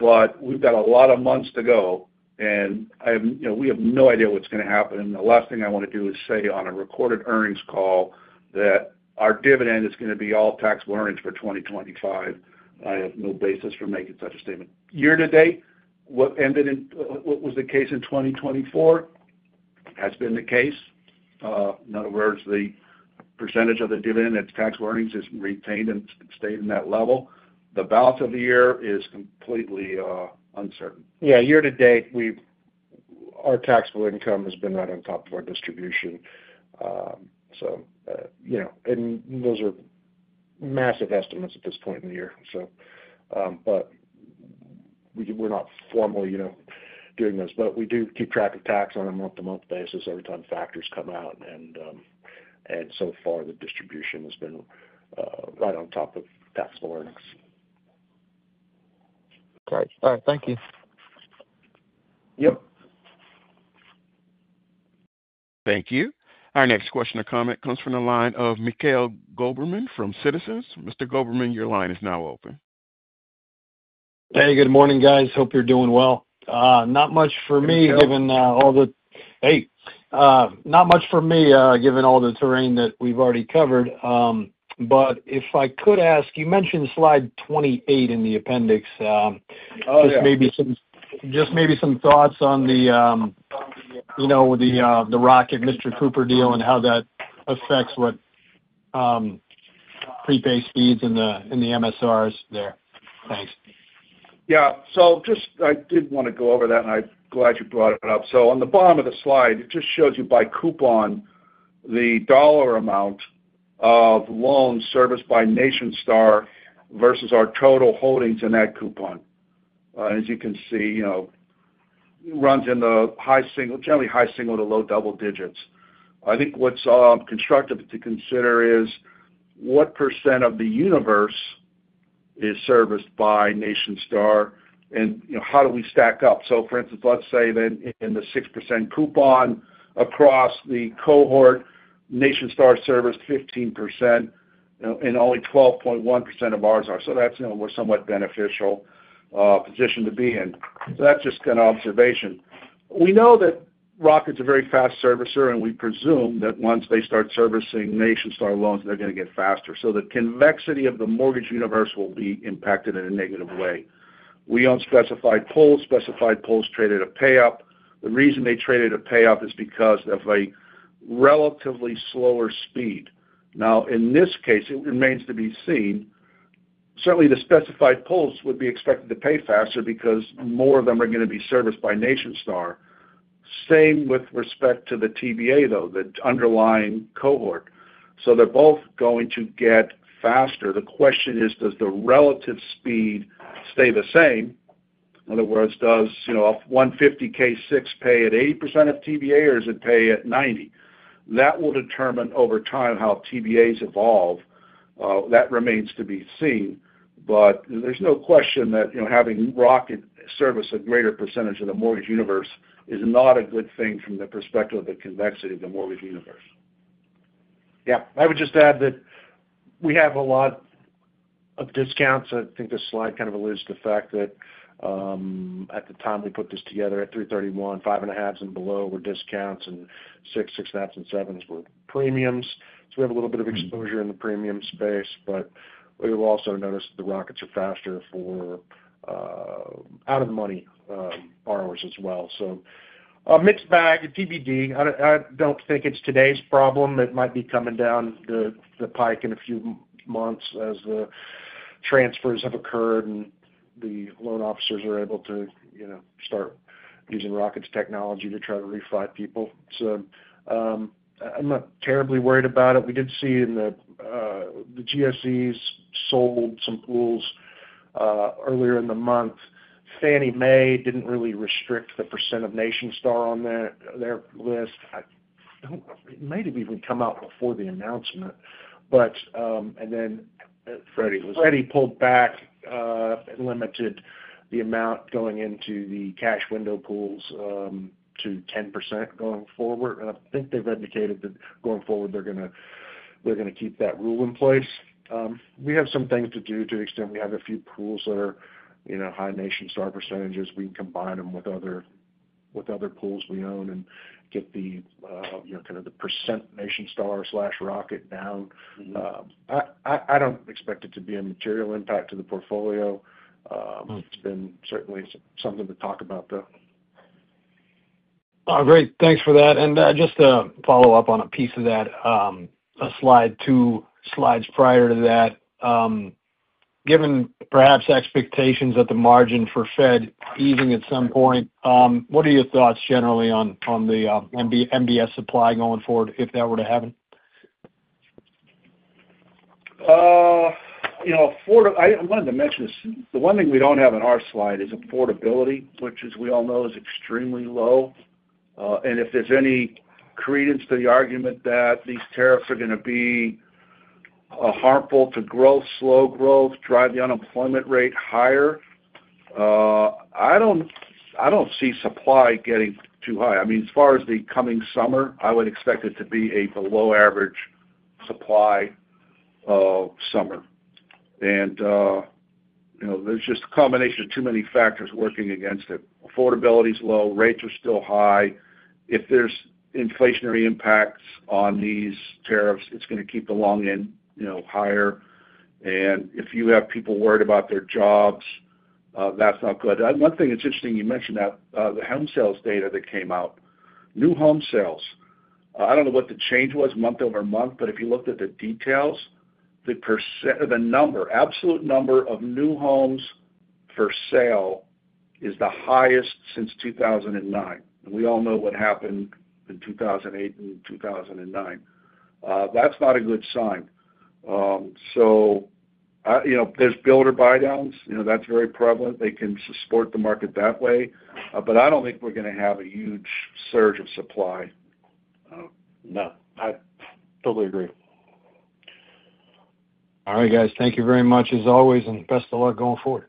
We've got a lot of months to go. We have no idea what's going to happen. The last thing I want to do is say on a recorded earnings call that our dividend is going to be all taxable earnings for 2025. I have no basis for making such a statement. Year-to-date, what was the case in 2024 has been the case. In other words, the percentage of the dividend that's taxable earnings has retained and stayed in that level. The balance of the year is completely uncertain. Yeah. Year-to-date, our taxable income has been right on top of our distribution. Those are massive estimates at this point in the year. We are not formally doing those. We do keep track of tax on a month-to-month basis every time factors come out. So far, the distribution has been right on top of taxable earnings. Great. All right. Thank you. Yep. Thank you. Our next question or comment comes from the line of Mikhail Goberman from Citizens. Mr. Goberman, your line is now open. Hey, good morning, guys. Hope you're doing well. Not much for me given all the—hey. Not much for me given all the terrain that we've already covered. If I could ask, you mentioned slide 28 in the appendix. Just maybe some thoughts on the Rocket/Mr. Cooper deal and how that affects what prepay speeds and the MSRs there. Thanks. Yeah. I did want to go over that, and I'm glad you brought it up. On the bottom of the slide, it just shows you by coupon the dollar amount of loans serviced by Nationstar versus our total holdings in that coupon. As you can see, it runs in the generally high single to low double digits. I think what's constructive to consider is what percent of the universe is serviced by Nationstar, and how do we stack up? For instance, let's say in the 6% coupon across the cohort, Nationstar serviced 15%, and only 12.1% of ours are. That is a somewhat beneficial position to be in. That is just kind of observation. We know that Rocket is a very fast servicer, and we presume that once they start servicing Nationstar loans, they are going to get faster. The convexity of the mortgage universe will be impacted in a negative way. We own specified pools. Specified pools traded at a payout. The reason they traded at a payout is because of a relatively slower speed. Now, in this case, it remains to be seen. Certainly, the specified pools would be expected to pay faster because more of them are going to be serviced by Nationstar. Same with respect to the TBA, though, the underlying cohort. They are both going to get faster. The question is, does the relative speed stay the same? In other words, does a 150K 6 pay at 80% of TBA, or does it pay at 90%? That will determine over time how TBAs evolve. That remains to be seen. There is no question that having Rocket service a greater percentage of the mortgage universe is not a good thing from the perspective of the convexity of the mortgage universe. Yeah. I would just add that we have a lot of discounts. I think this slide kind of alludes to the fact that at the time we put this together at 3/31, five and a halves and below were discounts, and six, six and a halfs, and sevens were premiums. We have a little bit of exposure in the premium space. We have also noticed that the Rockets are faster for out-of-money borrowers as well. Mixed bag, TBD. I do not think it is today's problem. It might be coming down the pike in a few months as the transfers have occurred and the loan officers are able to start using Rocket's technology to try to refi people. I am not terribly worried about it. We did see in the GSEs sold some pools earlier in the month. Fannie Mae did not really restrict the percent of Nationstar on their list. It might have even come out before the announcement. Freddie pulled back and limited the amount going into the cash window pools to 10% going forward. I think they have indicated that going forward, they are going to keep that rule in place. We have some things to do to the extent we have a few pools that are high Nationstar percentages. We can combine them with other pools we own and get kind of the percent Nationstar slash Rocket down. I don't expect it to be a material impact to the portfolio. It's been certainly something to talk about, though. All right. Great. Thanks for that. Just to follow up on a piece of that, a slide, two slides prior to that, given perhaps expectations that the margin for Fed easing at some point, what are your thoughts generally on the MBS supply going forward if that were to happen? I wanted to mention the one thing we don't have on our slide is affordability, which, as we all know, is extremely low. If there's any credence to the argument that these tariffs are going to be harmful to growth, slow growth, drive the unemployment rate higher, I don't see supply getting too high. I mean, as far as the coming summer, I would expect it to be a below-average supply summer. There is just a combination of too many factors working against it. Affordability is low. Rates are still high. If there are inflationary impacts on these tariffs, it is going to keep the long end higher. If you have people worried about their jobs, that is not good. One thing that is interesting, you mentioned that the home sales data that came out, new home sales, I do not know what the change was month over month, but if you looked at the details, the number, absolute number of new homes for sale is the highest since 2009. We all know what happened in 2008 and 2009. That is not a good sign. There are builder buy-downs. That is very prevalent. They can support the market that way. I do not think we are going to have a huge surge of supply. No. I totally agree. All right, guys. Thank you very much, as always, and best of luck going forward.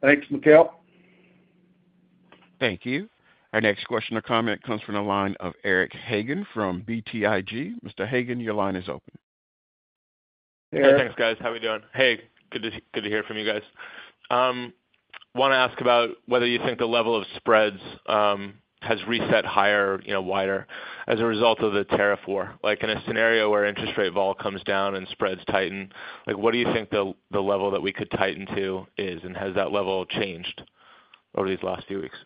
Thanks, Mikhail. Thank you. Our next question or comment comes from the line of Eric Hagan from BTIG. Mr. Hagan, your line is open. Hey, Eric. Hey, thanks, guys. How are we doing? Hey, good to hear from you guys. I want to ask about whether you think the level of spreads has reset higher, wider, as a result of the tariff war. In a scenario where interest rate vol comes down and spreads tighten, what do you think the level that we could tighten to is, and has that level changed over these last few weeks?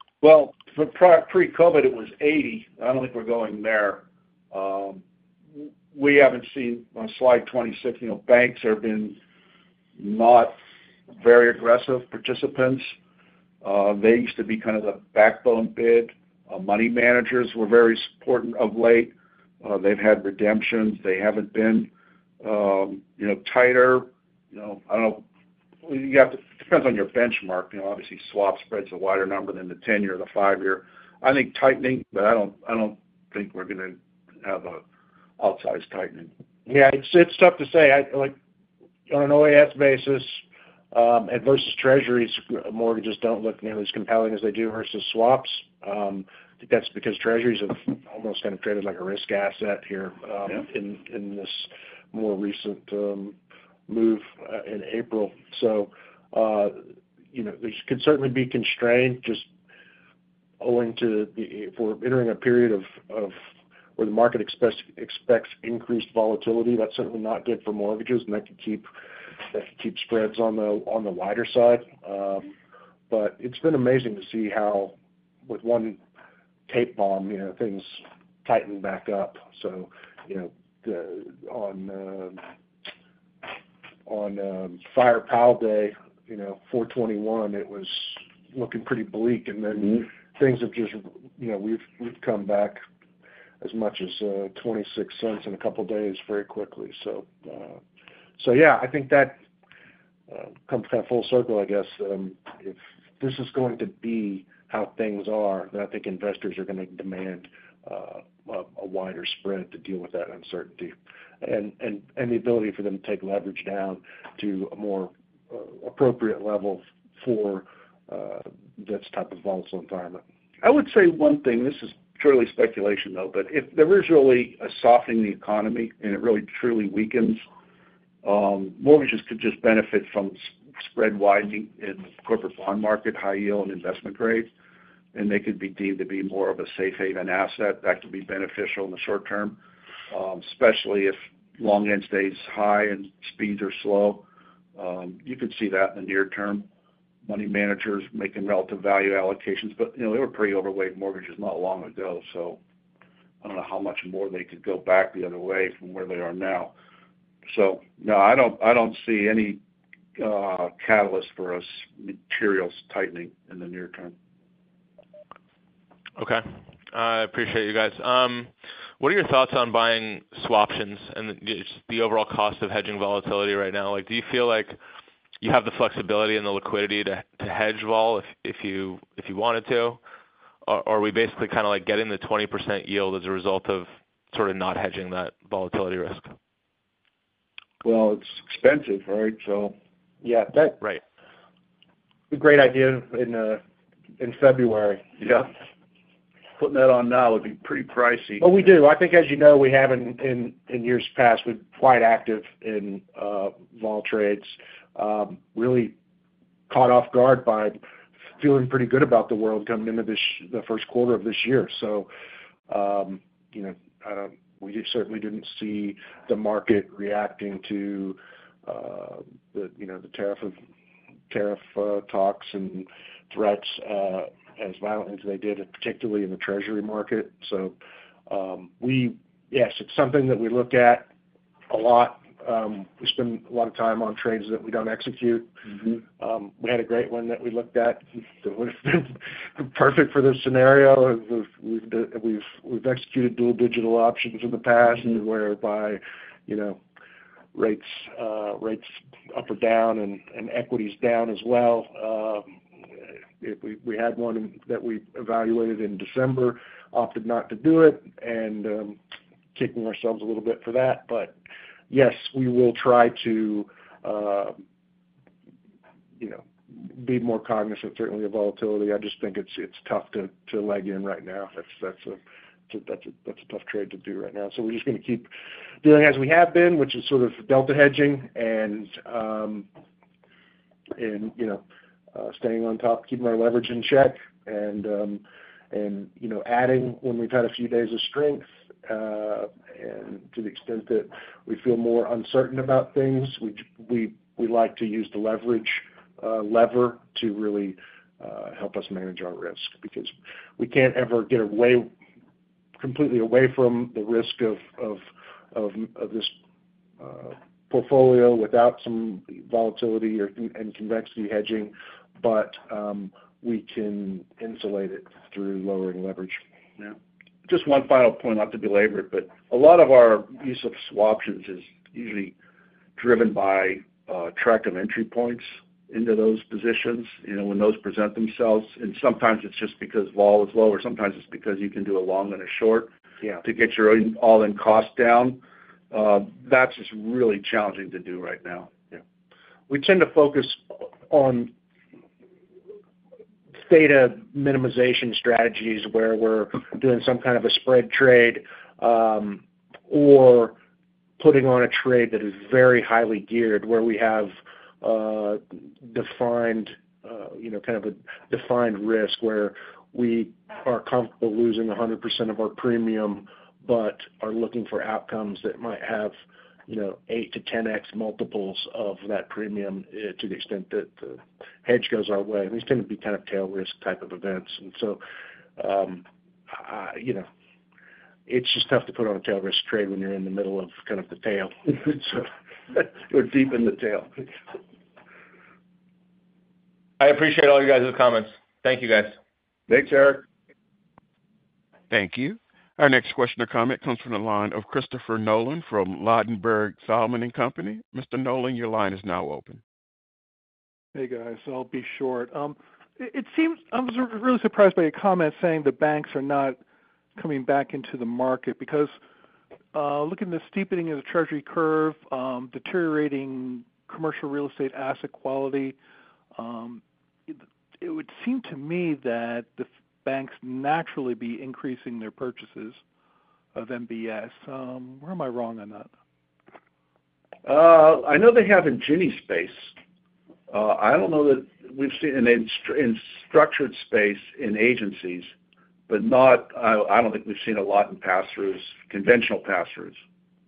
Pre-COVID, it was 80. I do not think we are going there. We have not seen on slide 26, banks have been not very aggressive participants. They used to be kind of the backbone bid. Money managers were very important of late. They've had redemptions. They haven't been tighter. I don't know. It depends on your benchmark. Obviously, swap spreads are a wider number than the 10-year or the 5-year. I think tightening, but I don't think we're going to have an outsized tightening. Yeah. It's tough to say. On an OAS basis, versus Treasuries, mortgages don't look nearly as compelling as they do versus swaps. I think that's because Treasuries have almost kind of traded like a risk asset here in this more recent move in April. There can certainly be constraints just owing to entering a period where the market expects increased volatility. That's certainly not good for mortgages. That could keep spreads on the wider side. It's been amazing to see how with one tape bomb, things tightened back up. On Fire Powell Day, April 21, it was looking pretty bleak. Things have just, we have come back as much as 26 cents in a couple of days very quickly. I think that comes kind of full circle, I guess. If this is going to be how things are, then I think investors are going to demand a wider spread to deal with that uncertainty and the ability for them to take leverage down to a more appropriate level for this type of volatile environment. I would say one thing, and this is purely speculation, though, but if there is really a softening in the economy and it really truly weakens, mortgages could just benefit from spread widening in the corporate bond market, high yield, and investment grade. They could be deemed to be more of a safe haven asset that could be beneficial in the short term, especially if long end stays high and speeds are slow. You could see that in the near term. Money managers making relative value allocations. They were pretty overweight mortgages not long ago. I do not know how much more they could go back the other way from where they are now. I do not see any catalyst for a materials tightening in the near term. I appreciate you guys. What are your thoughts on buying swaptions and the overall cost of hedging volatility right now? Do you feel like you have the flexibility and the liquidity to hedge vol if you wanted to? Are we basically kind of getting the 20% yield as a result of sort of not hedging that volatility risk? It's expensive, right? Yeah. Right. It's a great idea in February. Yep. Putting that on now would be pretty pricey. We do. I think, as you know, we have in years past, we're quite active in vol trades, really caught off guard by feeling pretty good about the world coming into the first quarter of this year. We certainly didn't see the market reacting to the tariff talks and threats as violently as they did, particularly in the Treasury market. Yes, it's something that we look at a lot. We spend a lot of time on trades that we don't execute. We had a great one that we looked at that would have been perfect for this scenario. We've executed dual digital options in the past whereby rates up or down and equities down as well. We had one that we evaluated in December, opted not to do it, and kicking ourselves a little bit for that. Yes, we will try to be more cognizant, certainly, of volatility. I just think it's tough to leg in right now. That's a tough trade to do right now. We are just going to keep doing as we have been, which is sort of delta hedging and staying on top, keeping our leverage in check, and adding when we've had a few days of strength. To the extent that we feel more uncertain about things, we like to use the lever to really help us manage our risk because we can't ever get completely away from the risk of this portfolio without some volatility and convexity hedging. We can insulate it through lowering leverage. Yeah. Just one final point, not to be labored, but a lot of our use of swaptions is usually driven by track of entry points into those positions when those present themselves. Sometimes it's just because vol is lower. Sometimes it's because you can do a long and a short to get your all-in cost down. That's just really challenging to do right now. Yeah. We tend to focus on delta minimization strategies where we're doing some kind of a spread trade or putting on a trade that is very highly geared where we have kind of a defined risk where we are comfortable losing 100% of our premium but are looking for outcomes that might have 8-10x multiples of that premium to the extent that the hedge goes our way. These tend to be kind of tail risk type of events. It's just tough to put on a tail risk trade when you're in the middle of kind of the tail. We're deep in the tail. I appreciate all you guys' comments. Thank you, guys. Thanks, Eric. Thank you. Our next question or comment comes from the line of Christopher Nolan from Ladenburg Thalmann. Mr. Nolan, your line is now open. Hey, guys. I'll be short. I was really surprised by your comment saying the banks are not coming back into the market because looking at the steepening of the Treasury curve, deteriorating commercial real estate asset quality, it would seem to me that the banks naturally be increasing their purchases of MBS. Where am I wrong on that? I know they have in Ginnies space. I don't know that we've seen in structured space in agencies, but I don't think we've seen a lot in conventional pass-throughs.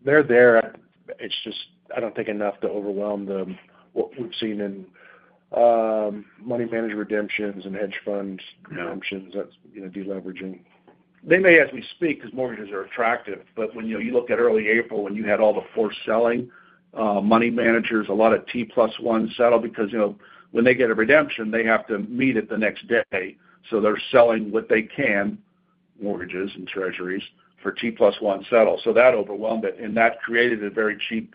They're there. It's just I don't think enough to overwhelm what we've seen in money manager redemptions and hedge fund redemptions, deleveraging. They may, as we speak, because mortgages are attractive. When you look at early April when you had all the forced selling, money managers, a lot of T+1 settle because when they get a redemption, they have to meet it the next day. They are selling what they can, mortgages and Treasuries, for T+1 settle. That overwhelmed it. That created a very cheap,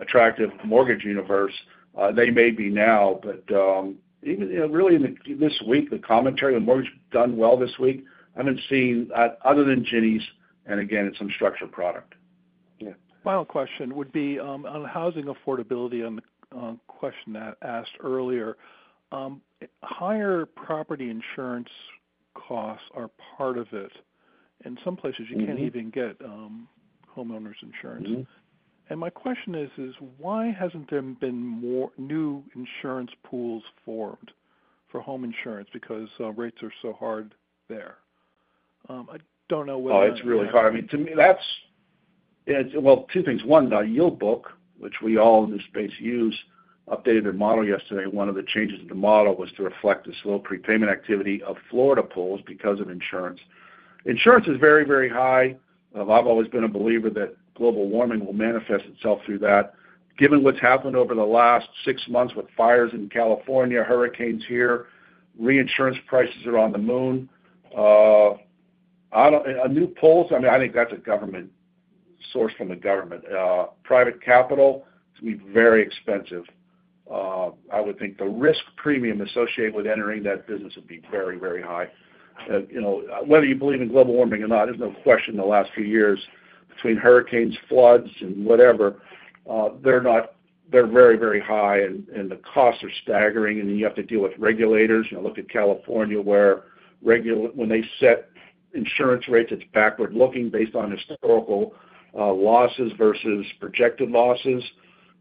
attractive mortgage universe. They may be now, but really this week, the commentary, the mortgage done well this week, I haven't seen other than Ginnies and, again, it's some structured product. Yeah. Final question would be on housing affordability on the question that I asked earlier. Higher property insurance costs are part of it. In some places, you can't even get homeowners insurance. My question is, why hasn't there been new insurance pools formed for home insurance because rates are so hard there? I don't know whether that's— Oh, it's really hard. To me, that's— two things. One, the Yield book, which we all in this space use, updated their model yesterday. One of the changes in the model was to reflect the slow prepayment activity of Florida pools because of insurance. Insurance is very, very high. I've always been a believer that global warming will manifest itself through that. Given what's happened over the last six months with fires in California, hurricanes here, reinsurance prices are on the moon. New pools, I mean, I think that's a government source from the government. Private capital to be very expensive. I would think the risk premium associated with entering that business would be very, very high. Whether you believe in global warming or not, there's no question in the last few years between hurricanes, floods, and whatever, they're very, very high. The costs are staggering. You have to deal with regulators. Look at California where when they set insurance rates, it's backward-looking based on historical losses versus projected losses.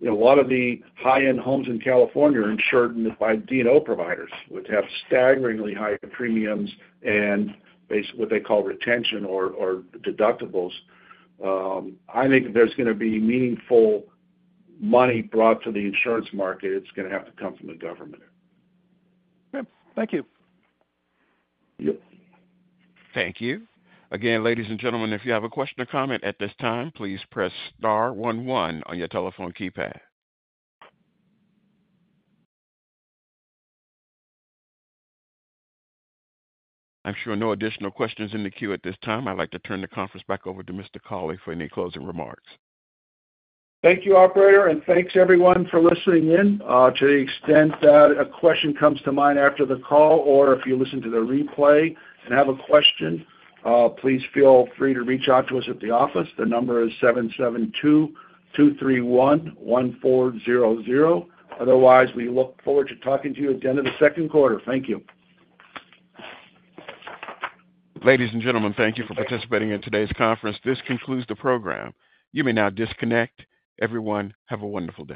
A lot of the high-end homes in California are insured by D&O providers, which have staggeringly high premiums and what they call retention or deductibles. I think there's going to be meaningful money brought to the insurance market. It's going to have to come from the government. Yep. Thank you. Yep. Thank you. Again, ladies and gentlemen, if you have a question or comment at this time, please press star 11 on your telephone keypad. I am sure no additional questions in the queue at this time. I would like to turn the conference back over to Mr. Cauley for any closing remarks. Thank you, operator. And thanks, everyone, for listening in. To the extent that a question comes to mind after the call, or if you listen to the replay and have a question, please feel free to reach out to us at the office. The number is 772-231-1400. Otherwise, we look forward to talking to you at the end of the second quarter. Thank you. Ladies and gentlemen, thank you for participating in today's conference. This concludes the program. You may now disconnect. Everyone, have a wonderful day.